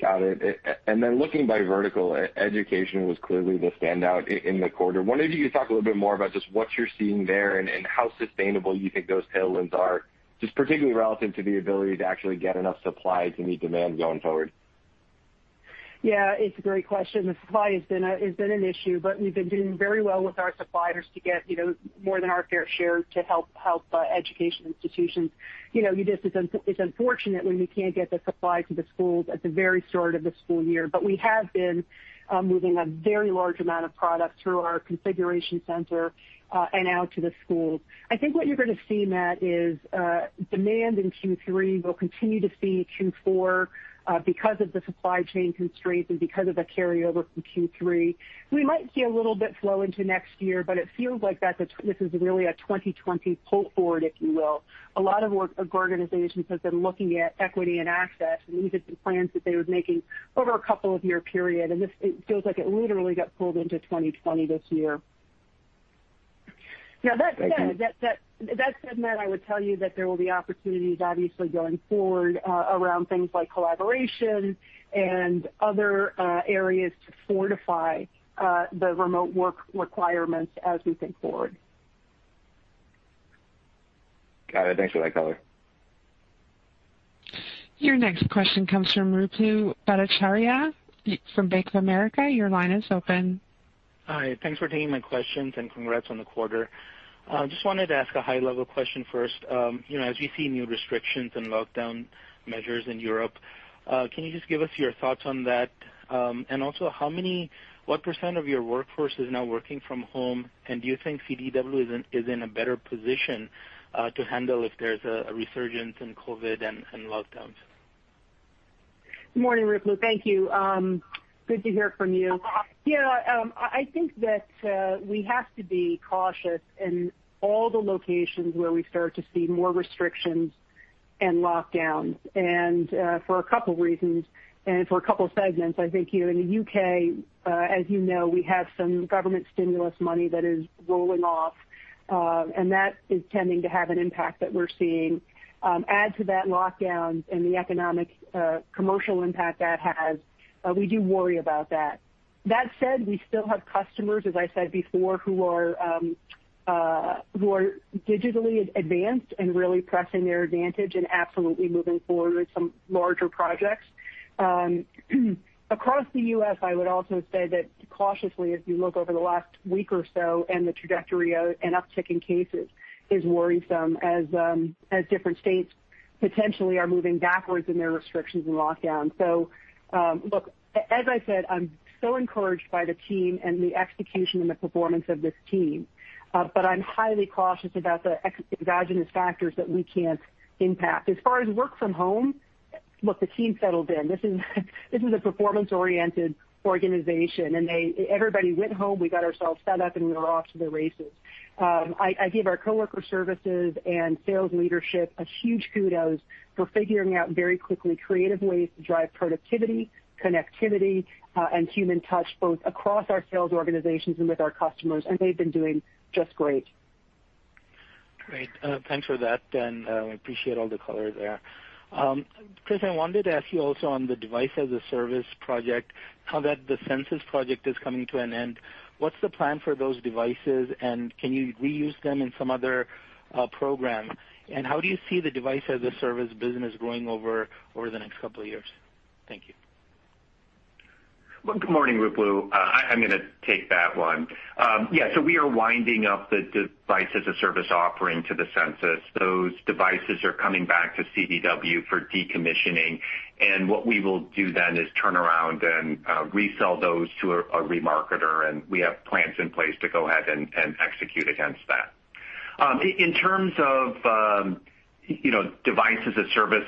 Speaker 8: Got it. And then looking by vertical, education was clearly the standout in the quarter. Wonder if you could talk a little bit more about just what you're seeing there and how sustainable you think those tailwinds are, just particularly relative to the ability to actually get enough supply to meet demand going forward?
Speaker 3: Yeah, it's a great question. The supply has been an issue, but we've been doing very well with our suppliers to get more than our fair share to help education institutions. It's unfortunate when we can't get the supply to the schools at the very start of the school year, but we have been moving a very large amount of product through our configuration center and out to the schools. I think what you're going to see, Matt, is demand in Q3. We'll continue to see Q4 because of the supply chain constraints and because of the carryover from Q3. We might see a little bit flow into next year, but it feels like this is really a 2020 pull forward, if you will. A lot of organizations have been looking at equity and assets and even the plans that they were making over a couple of year period. And it feels like it literally got pulled into 2020 this year. Now, that said, Matt, I would tell you that there will be opportunities, obviously, going forward around things like collaboration and other areas to fortify the remote work requirements as we think forward.
Speaker 8: Got it. Thanks for that color.
Speaker 1: Your next question comes from Ruplu Bhattacharya from Bank of America. Your line is open.
Speaker 9: Hi. Thanks for taking my questions and congrats on the quarter. Just wanted to ask a high-level question first. As we see new restrictions and lockdown measures in Europe, can you just give us your thoughts on that? And also, what percentage of your workforce is now working from home? And do you think CDW is in a better position to handle if there's a resurgence in COVID and lockdowns?
Speaker 3: Good morning, Ruplu. Thank you. Good to hear from you. Yeah, I think that we have to be cautious in all the locations where we start to see more restrictions and lockdowns for a couple of reasons and for a couple of segments. I think in the U.K., as you know, we have some government stimulus money that is rolling off, and that is tending to have an impact that we're seeing. Add to that lockdowns and the economic commercial impact that has, we do worry about that. That said, we still have customers, as I said before, who are digitally advanced and really pressing their advantage and absolutely moving forward with some larger projects. Across the U.S., I would also say that cautiously, as you look over the last week or so, and the trajectory and uptick in cases is worrisome as different states potentially are moving backwards in their restrictions and lockdowns. So look, as I said, I'm so encouraged by the team and the execution and the performance of this team, but I'm highly cautious about the exogenous factors that we can't impact. As far as work from home, look, the team settled in. This is a performance-oriented organization, and everybody went home. We got ourselves set up, and we were off to the races. I give our coworker services and sales leadership a huge kudos for figuring out very quickly creative ways to drive productivity, connectivity, and human touch both across our sales organizations and with our customers. They've been doing just great.
Speaker 9: Great. Thanks for that, and we appreciate all the color there. Chris, I wanted to ask you also on the Device as a Service project, how the Census project is coming to an end. What's the plan for those devices, and can you reuse them in some other program? How do you see the Device as a Service business growing over the next couple of years? Thank you.
Speaker 4: Good morning, Ruplu. I'm going to take that one. Yeah. So we are winding up the Device as a Service offering to the Census. Those devices are coming back to CDW for decommissioning. What we will do then is turn around and resell those to a remarketer. We have plans in place to go ahead and execute against that. In terms of Device as a Service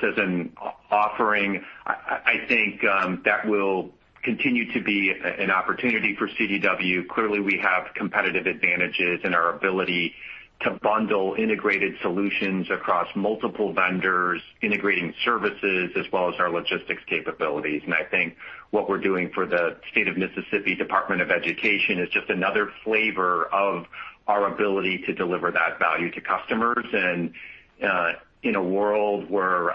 Speaker 4: offering, I think that will continue to be an opportunity for CDW. Clearly, we have competitive advantages in our ability to bundle integrated solutions across multiple vendors, integrating services as well as our logistics capabilities. I think what we're doing for the State of Mississippi Department of Education is just another flavor of our ability to deliver that value to customers. In a world where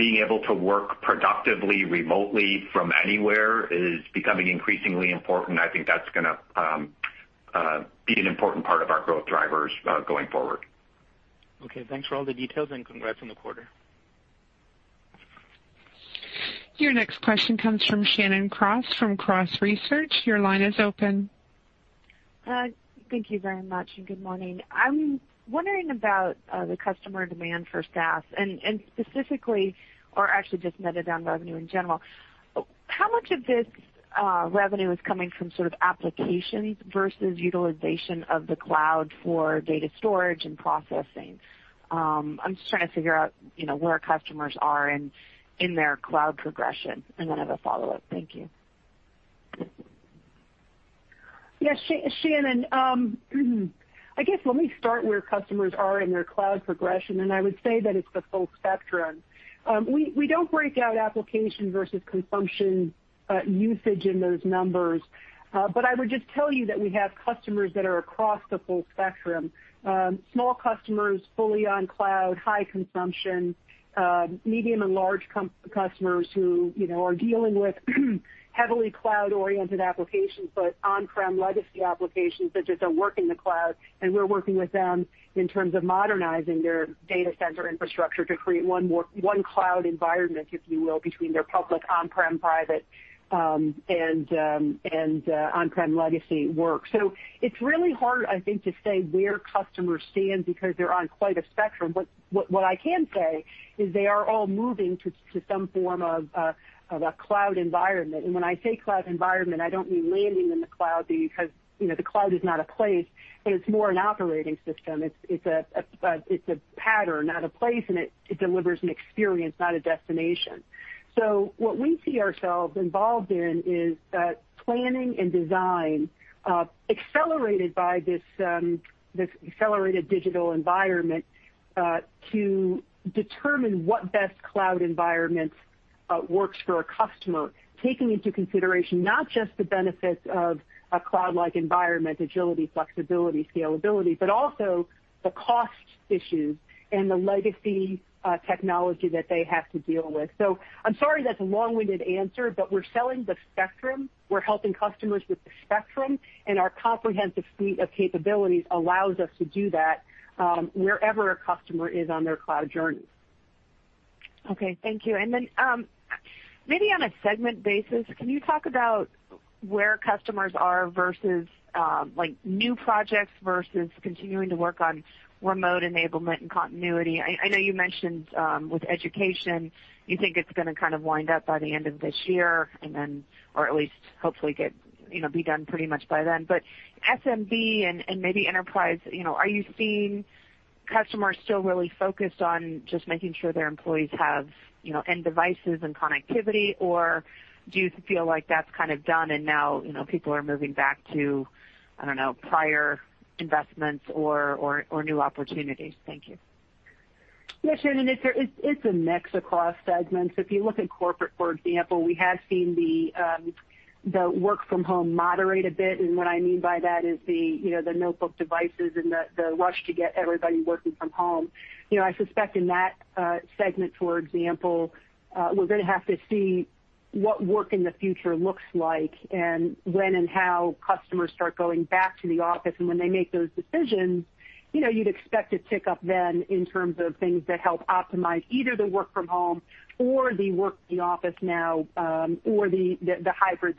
Speaker 4: being able to work productively remotely from anywhere is becoming increasingly important, I think that's going to be an important part of our growth drivers going forward.
Speaker 9: Okay. Thanks for all the details and congrats on the quarter.
Speaker 1: Your next question comes from Shannon Cross from Cross Research. Your line is open.
Speaker 10: Thank you very much and good morning. I'm wondering about the customer demand for SaaS and specifically, or actually just SaaS revenue in general. How much of this revenue is coming from sort of applications versus utilization of the cloud for data storage and processing? I'm just trying to figure out where our customers are in their cloud progression. And then I have a follow-up. Thank you.
Speaker 3: Yeah, Shannon, I guess let me start where customers are in their cloud progression. And I would say that it's the full spectrum. We don't break out application versus consumption usage in those numbers, but I would just tell you that we have customers that are across the full spectrum: small customers, fully on cloud, high consumption, medium and large customers who are dealing with heavily cloud-oriented applications, but on-prem legacy applications that just don't work in the cloud. And we're working with them in terms of modernizing their data center infrastructure to create one cloud environment, if you will, between their public on-prem private and on-prem legacy work. So it's really hard, I think, to say where customers stand because they're on quite a spectrum. What I can say is they are all moving to some form of a cloud environment. And when I say cloud environment, I don't mean landing in the cloud because the cloud is not a place, but it's more an operating system. It's a pattern, not a place, and it delivers an experience, not a destination. So what we see ourselves involved in is planning and design accelerated by this accelerated digital environment to determine what best cloud environment works for a customer, taking into consideration not just the benefits of a cloud-like environment, agility, flexibility, scalability, but also the cost issues and the legacy technology that they have to deal with. So I'm sorry that's a long-winded answer, but we're selling the spectrum. We're helping customers with the spectrum, and our comprehensive suite of capabilities allows us to do that wherever a customer is on their cloud journey.
Speaker 10: Okay. Thank you. And then maybe on a segment basis, can you talk about where customers are versus new projects versus continuing to work on remote enablement and continuity? I know you mentioned with education, you think it's going to kind of wind up by the end of this year and then, or at least hopefully be done pretty much by then. But SMB and maybe enterprise, are you seeing customers still really focused on just making sure their employees have end devices and connectivity, or do you feel like that's kind of done and now people are moving back to, I don't know, prior investments or new opportunities? Thank you.
Speaker 3: Yeah, Shannon, it's a mix across segments. If you look at corporate, for example, we have seen the work from home moderate a bit. And what I mean by that is the notebook devices and the rush to get everybody working from home. I suspect in that segment, for example, we're going to have to see what work in the future looks like and when and how customers start going back to the office. And when they make those decisions, you'd expect a tick up then in terms of things that help optimize either the work from home or the work in the office now or the hybrid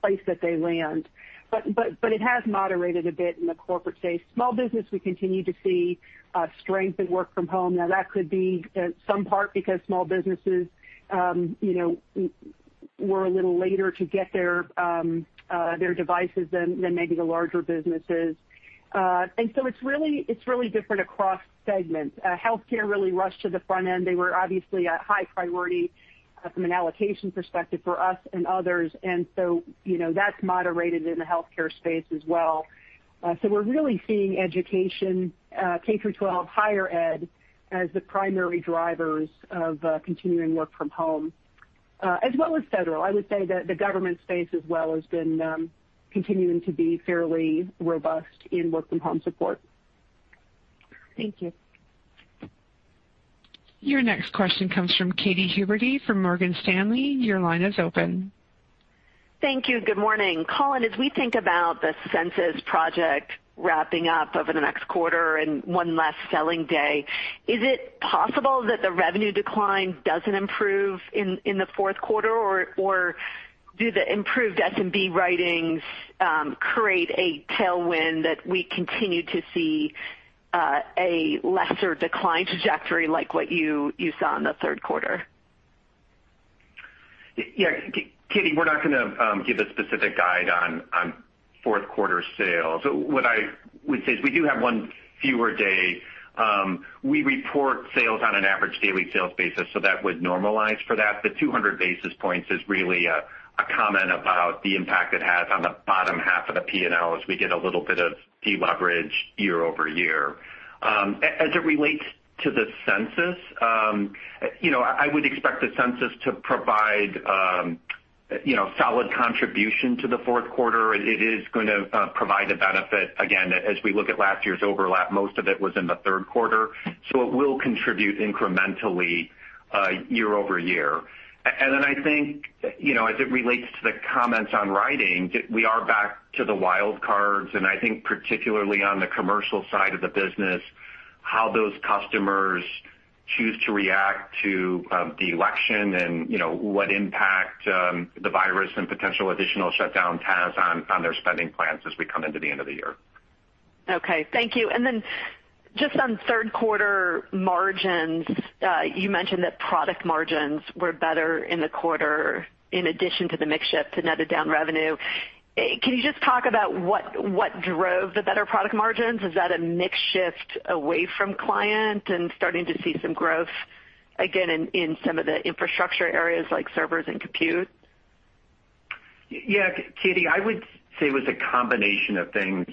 Speaker 3: place that they land. But it has moderated a bit in the corporate space. Small business, we continue to see strength in work from home. Now, that could be in some part because small businesses were a little later to get their devices than maybe the larger businesses. And so it's really different across segments. Healthcare really rushed to the front end. They were obviously a high priority from an allocation perspective for us and others. And so that's moderated in the healthcare space as well. So we're really seeing education, K through 12, Higher Ed as the primary drivers of continuing work from home, as well as federal. I would say that the government space as well has been continuing to be fairly robust in work from home support.
Speaker 10: Thank you.
Speaker 1: Your next question comes from Katy Huberty from Morgan Stanley. Your line is open.
Speaker 11: Thank you. Good morning. Collin, as we think about the Census project wrapping up over the next quarter and one less selling day, is it possible that the revenue decline doesn't improve in the fourth quarter, or do the improved SMB writings create a tailwind that we continue to see a lesser decline trajectory like what you saw in the third quarter?
Speaker 4: Yeah, Katy, we're not going to give a specific guide on fourth quarter sales. What I would say is we do have one fewer day. We report sales on an average daily sales basis, so that would normalize for that. The 200 basis points is really a comment about the impact it has on the bottom half of the P&L as we get a little bit of deleverage year over year. As it relates to the Census, I would expect the Census to provide a solid contribution to the fourth quarter. It is going to provide a benefit. Again, as we look at last year's overlap, most of it was in the third quarter. So it will contribute incrementally year over year. And then I think as it relates to the comments on pricing, we are back to the wild cards. And I think particularly on the commercial side of the business, how those customers choose to react to the election and what impact the virus and potential additional shutdowns have on their spending plans as we come into the end of the year.
Speaker 11: Okay. Thank you. And then just on third quarter margins, you mentioned that product margins were better in the quarter in addition to the mixed shift to net-to-down revenue. Can you just talk about what drove the better product margins? Is that a mixed shift away from client and starting to see some growth again in some of the infrastructure areas like servers and computers?
Speaker 4: Yeah, Katy, I would say it was a combination of things.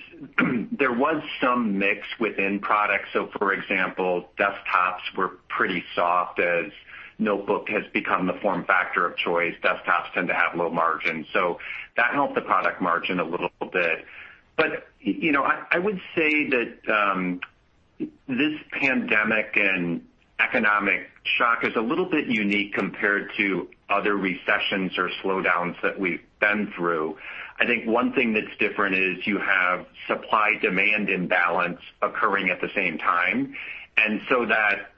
Speaker 4: There was some mix within products. So for example, desktops were pretty soft as notebook has become the form factor of choice. Desktops tend to have low margins. So that helped the product margin a little bit. But I would say that this pandemic and economic shock is a little bit unique compared to other recessions or slowdowns that we've been through. I think one thing that's different is you have supply-demand imbalance occurring at the same time. And so that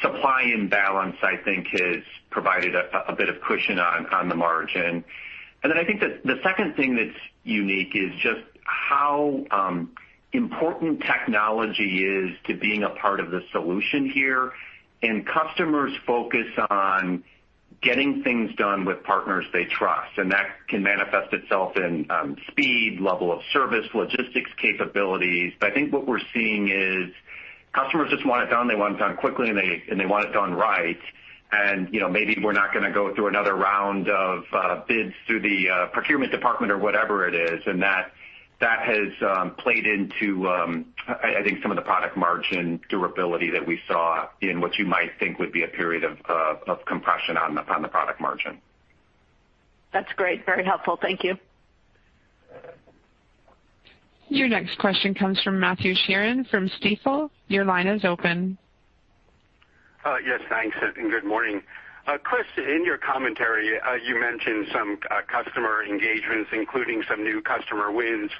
Speaker 4: supply imbalance, I think, has provided a bit of cushion on the margin. And then I think that the second thing that's unique is just how important technology is to being a part of the solution here. And customers focus on getting things done with partners they trust. And that can manifest itself in speed, level of service, logistics capabilities. But I think what we're seeing is customers just want it done. They want it done quickly, and they want it done right. And maybe we're not going to go through another round of bids through the procurement department or whatever it is. And that has played into, I think, some of the product margin durability that we saw in what you might think would be a period of compression on the product margin.
Speaker 11: That's great. Very helpful. Thank you.
Speaker 1: Your next question comes from Matthew Sheerin from Stifel. Your line is open.
Speaker 12: Yes, thanks. And good morning. Chris, in your commentary, you mentioned some customer engagements, including some new customer wins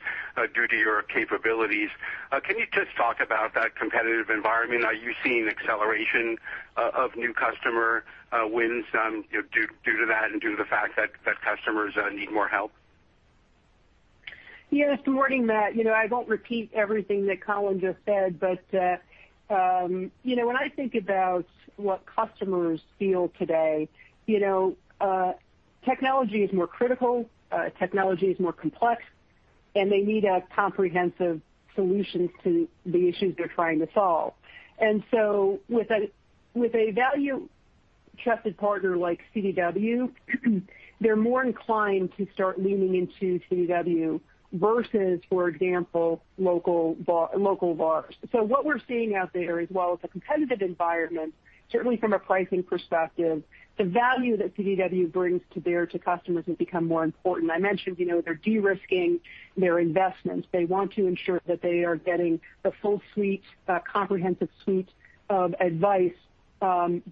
Speaker 12: due to your capabilities. Can you just talk about that competitive environment? Are you seeing acceleration of new customer wins due to that and due to the fact that customers need more help?
Speaker 3: Yes. Good morning, Matt. I won't repeat everything that Collin just said, but when I think about what customers feel today, technology is more critical. Technology is more complex, and they need a comprehensive solution to the issues they're trying to solve. And so with a valued, trusted partner like CDW, they're more inclined to start leaning into CDW versus, for example, local VARs. So what we're seeing out there as well as a competitive environment, certainly from a pricing perspective, the value that CDW brings to bear to customers has become more important. I mentioned they're de-risking their investments. They want to ensure that they are getting the full suite, comprehensive suite of advice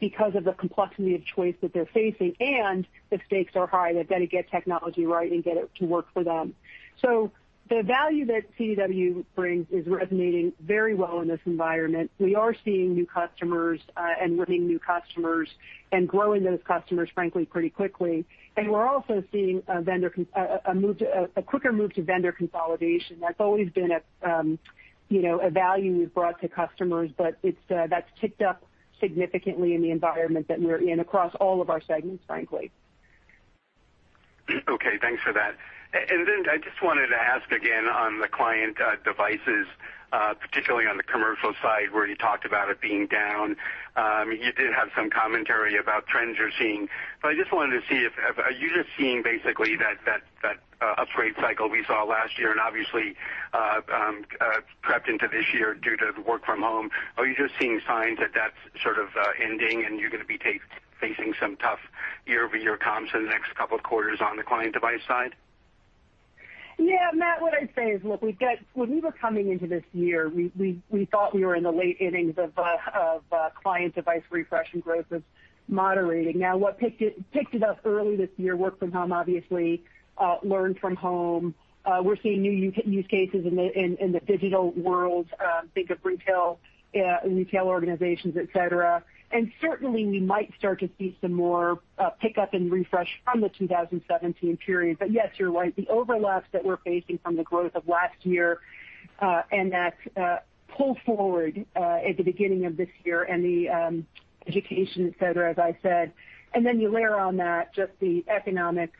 Speaker 3: because of the complexity of choice that they're facing. And the stakes are high. They've got to get technology right and get it to work for them. So the value that CDW brings is resonating very well in this environment. We are seeing new customers and winning new customers and growing those customers, frankly, pretty quickly. And we're also seeing a quicker move to vendor consolidation. That's always been a value we've brought to customers, but that's ticked up significantly in the environment that we're in across all of our segments, frankly.
Speaker 12: Okay. Thanks for that. And then I just wanted to ask again on the client devices, particularly on the commercial side where you talked about it being down. You did have some commentary about trends you're seeing. But I just wanted to see if you are just seeing basically that upgrade cycle we saw last year and obviously crept into this year due to the work from home. Are you just seeing signs that that's sort of ending and you're going to be facing some tough year-over-year comps in the next couple of quarters on the client device side?
Speaker 3: Yeah, Matt. What I'd say is, look, when we were coming into this year, we thought we were in the late innings of client device refresh and growth was moderating. Now, what picked it up early this year, work from home, obviously, learn from home. We're seeing new use cases in the digital world. Think of retail organizations, etc., and certainly, we might start to see some more pickup and refresh from the 2017 period, but yes, you're right. The overlap that we're facing from the growth of last year and that pull forward at the beginning of this year and the education, etc., as I said, and then you layer on that just the economic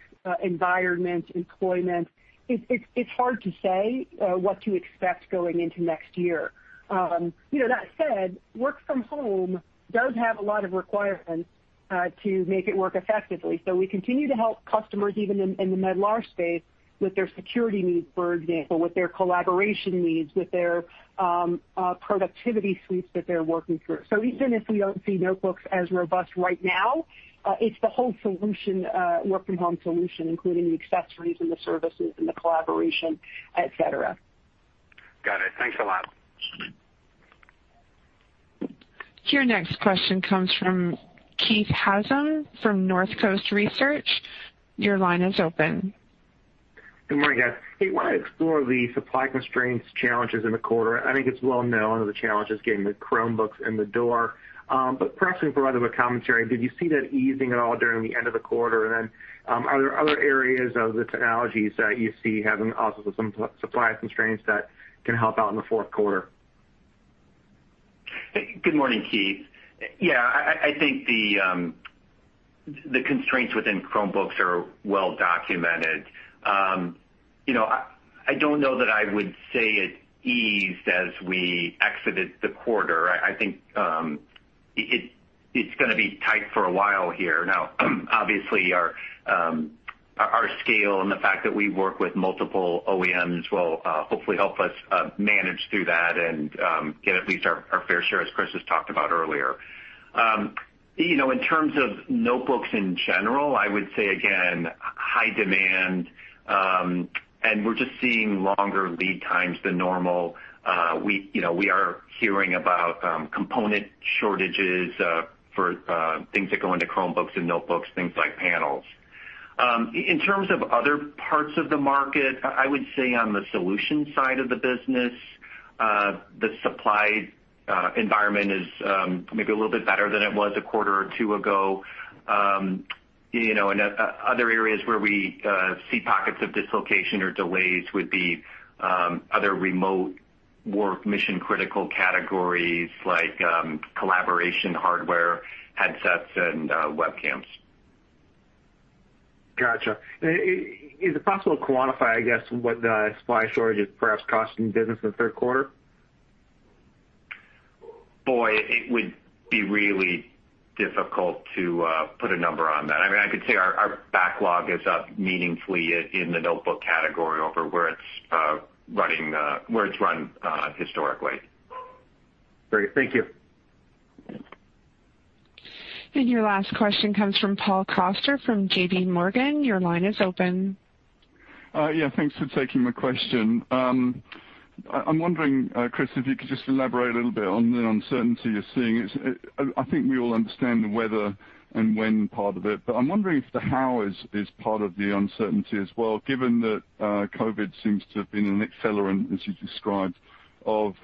Speaker 3: environment, employment. It's hard to say what to expect going into next year. That said, work from home does have a lot of requirements to make it work effectively. So we continue to help customers even in the mid-large space with their security needs, for example, with their collaboration needs, with their productivity suites that they're working through. So even if we don't see notebooks as robust right now, it's the whole solution, work from home solution, including the accessories and the services and the collaboration, etc.
Speaker 12: Got it. Thanks a lot.
Speaker 1: Your next question comes from Keith Housum from North Coast Research. Your line is open.
Speaker 13: Good morning, guys. Hey, I want to explore the supply constraints challenges in the quarter. I think it's well known of the challenges getting the Chromebooks in the door. But perhaps we can provide a bit of commentary. Did you see that easing at all during the end of the quarter? Then are there other areas of the technologies that you see having also some supply constraints that can help out in the fourth quarter?
Speaker 4: Good morning, Keith. Yeah, I think the constraints within Chromebooks are well documented. I don't know that I would say it eased as we exited the quarter. I think it's going to be tight for a while here. Now, obviously, our scale and the fact that we work with multiple OEMs will hopefully help us manage through that and get at least our fair share, as Chris has talked about earlier. In terms of notebooks in general, I would say, again, high demand. And we're just seeing longer lead times than normal. We are hearing about component shortages for things that go into Chromebooks and notebooks, things like panels. In terms of other parts of the market, I would say on the solution side of the business, the supply environment is maybe a little bit better than it was a quarter or two ago, and other areas where we see pockets of dislocation or delays would be other remote work mission-critical categories like collaboration hardware, headsets, and webcams.
Speaker 13: Gotcha. Is it possible to quantify, I guess, what the supply shortage is perhaps costing business in the third quarter?
Speaker 4: Boy, it would be really difficult to put a number on that. I mean, I could say our backlog is up meaningfully in the notebook category over where it's run historically.
Speaker 13: Great. Thank you.
Speaker 1: And your last question comes from Paul Coster from JPMorgan. Your line is open.
Speaker 14: Yeah, thanks for taking my question. I'm wondering, Chris, if you could just elaborate a little bit on the uncertainty you're seeing. I think we all understand the whether and when part of it. But I'm wondering if the how is part of the uncertainty as well, given that COVID seems to have been an accelerant, as you described, of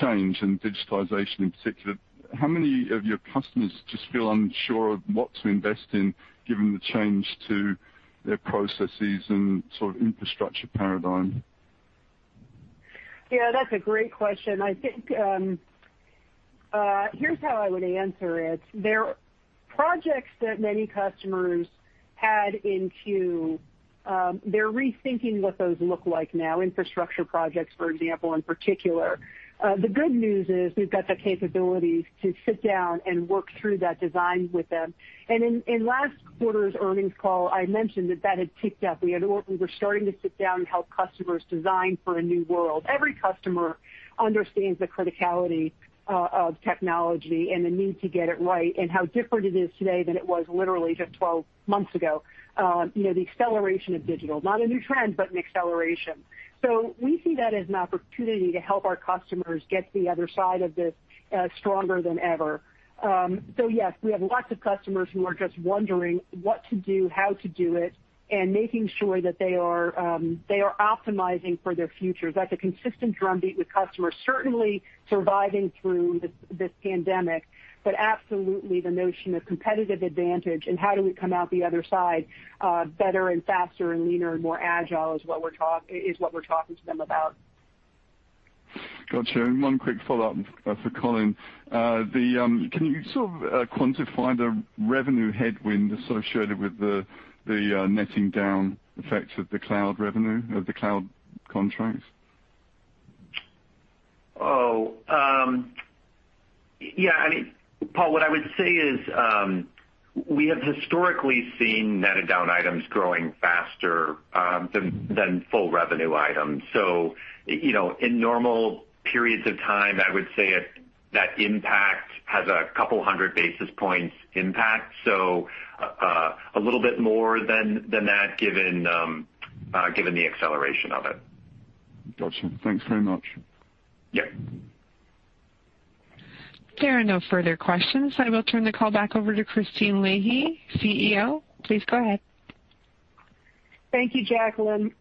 Speaker 14: change and digitization in particular. How many of your customers just feel unsure of what to invest in given the change to their processes and sort of infrastructure paradigm?
Speaker 3: Yeah, that's a great question. I think here's how I would answer it. There are projects that many customers had in queue. They're rethinking what those look like now, infrastructure projects, for example, in particular. The good news is we've got the capabilities to sit down and work through that design with them. And in last quarter's earnings call, I mentioned that that had ticked up. We were starting to sit down and help customers design for a new world. Every customer understands the criticality of technology and the need to get it right and how different it is today than it was literally just 12 months ago. The acceleration of digital, not a new trend, but an acceleration. So we see that as an opportunity to help our customers get to the other side of this stronger than ever. So yes, we have lots of customers who are just wondering what to do, how to do it, and making sure that they are optimizing for their future. That's a consistent drumbeat with customers, certainly surviving through this pandemic, but absolutely the notion of competitive advantage and how do we come out the other side better and faster and leaner and more agile is what we're talking to them about.
Speaker 14: Gotcha. One quick follow-up for Collin. Can you sort of quantify the revenue headwind associated with the netting down effects of the cloud revenue, of the cloud contracts?
Speaker 4: Oh, yeah. I mean, Paul, what I would say is we have historically seen netted down items growing faster than full revenue items. So in normal periods of time, I would say that impact has a couple hundred basis points impact. So a little bit more than that given the acceleration of it.
Speaker 14: Gotcha. Thanks very much. Yeah.
Speaker 1: There are no further questions. I will turn the call back over to Christine Leahy, CEO. Please go ahead.
Speaker 3: Thank you, Jacqueline.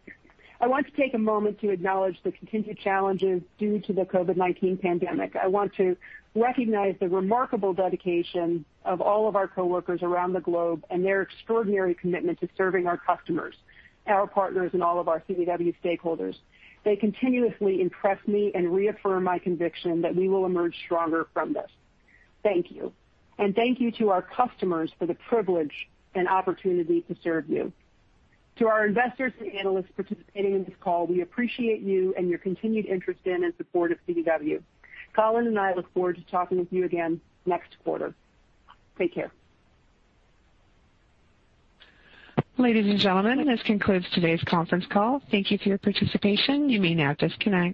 Speaker 3: I want to take a moment to acknowledge the continued challenges due to the COVID-19 pandemic. I want to recognize the remarkable dedication of all of our coworkers around the globe and their extraordinary commitment to serving our customers, our partners, and all of our CDW stakeholders. They continuously impress me and reaffirm my conviction that we will emerge stronger from this. Thank you. And thank you to our customers for the privilege and opportunity to serve you. To our investors and analysts participating in this call, we appreciate you and your continued interest in and support of CDW. Collin and I look forward to talking with you again next quarter. Take care.
Speaker 1: Ladies and gentlemen, this concludes today's conference call. Thank you for your participation. You may now disconnect.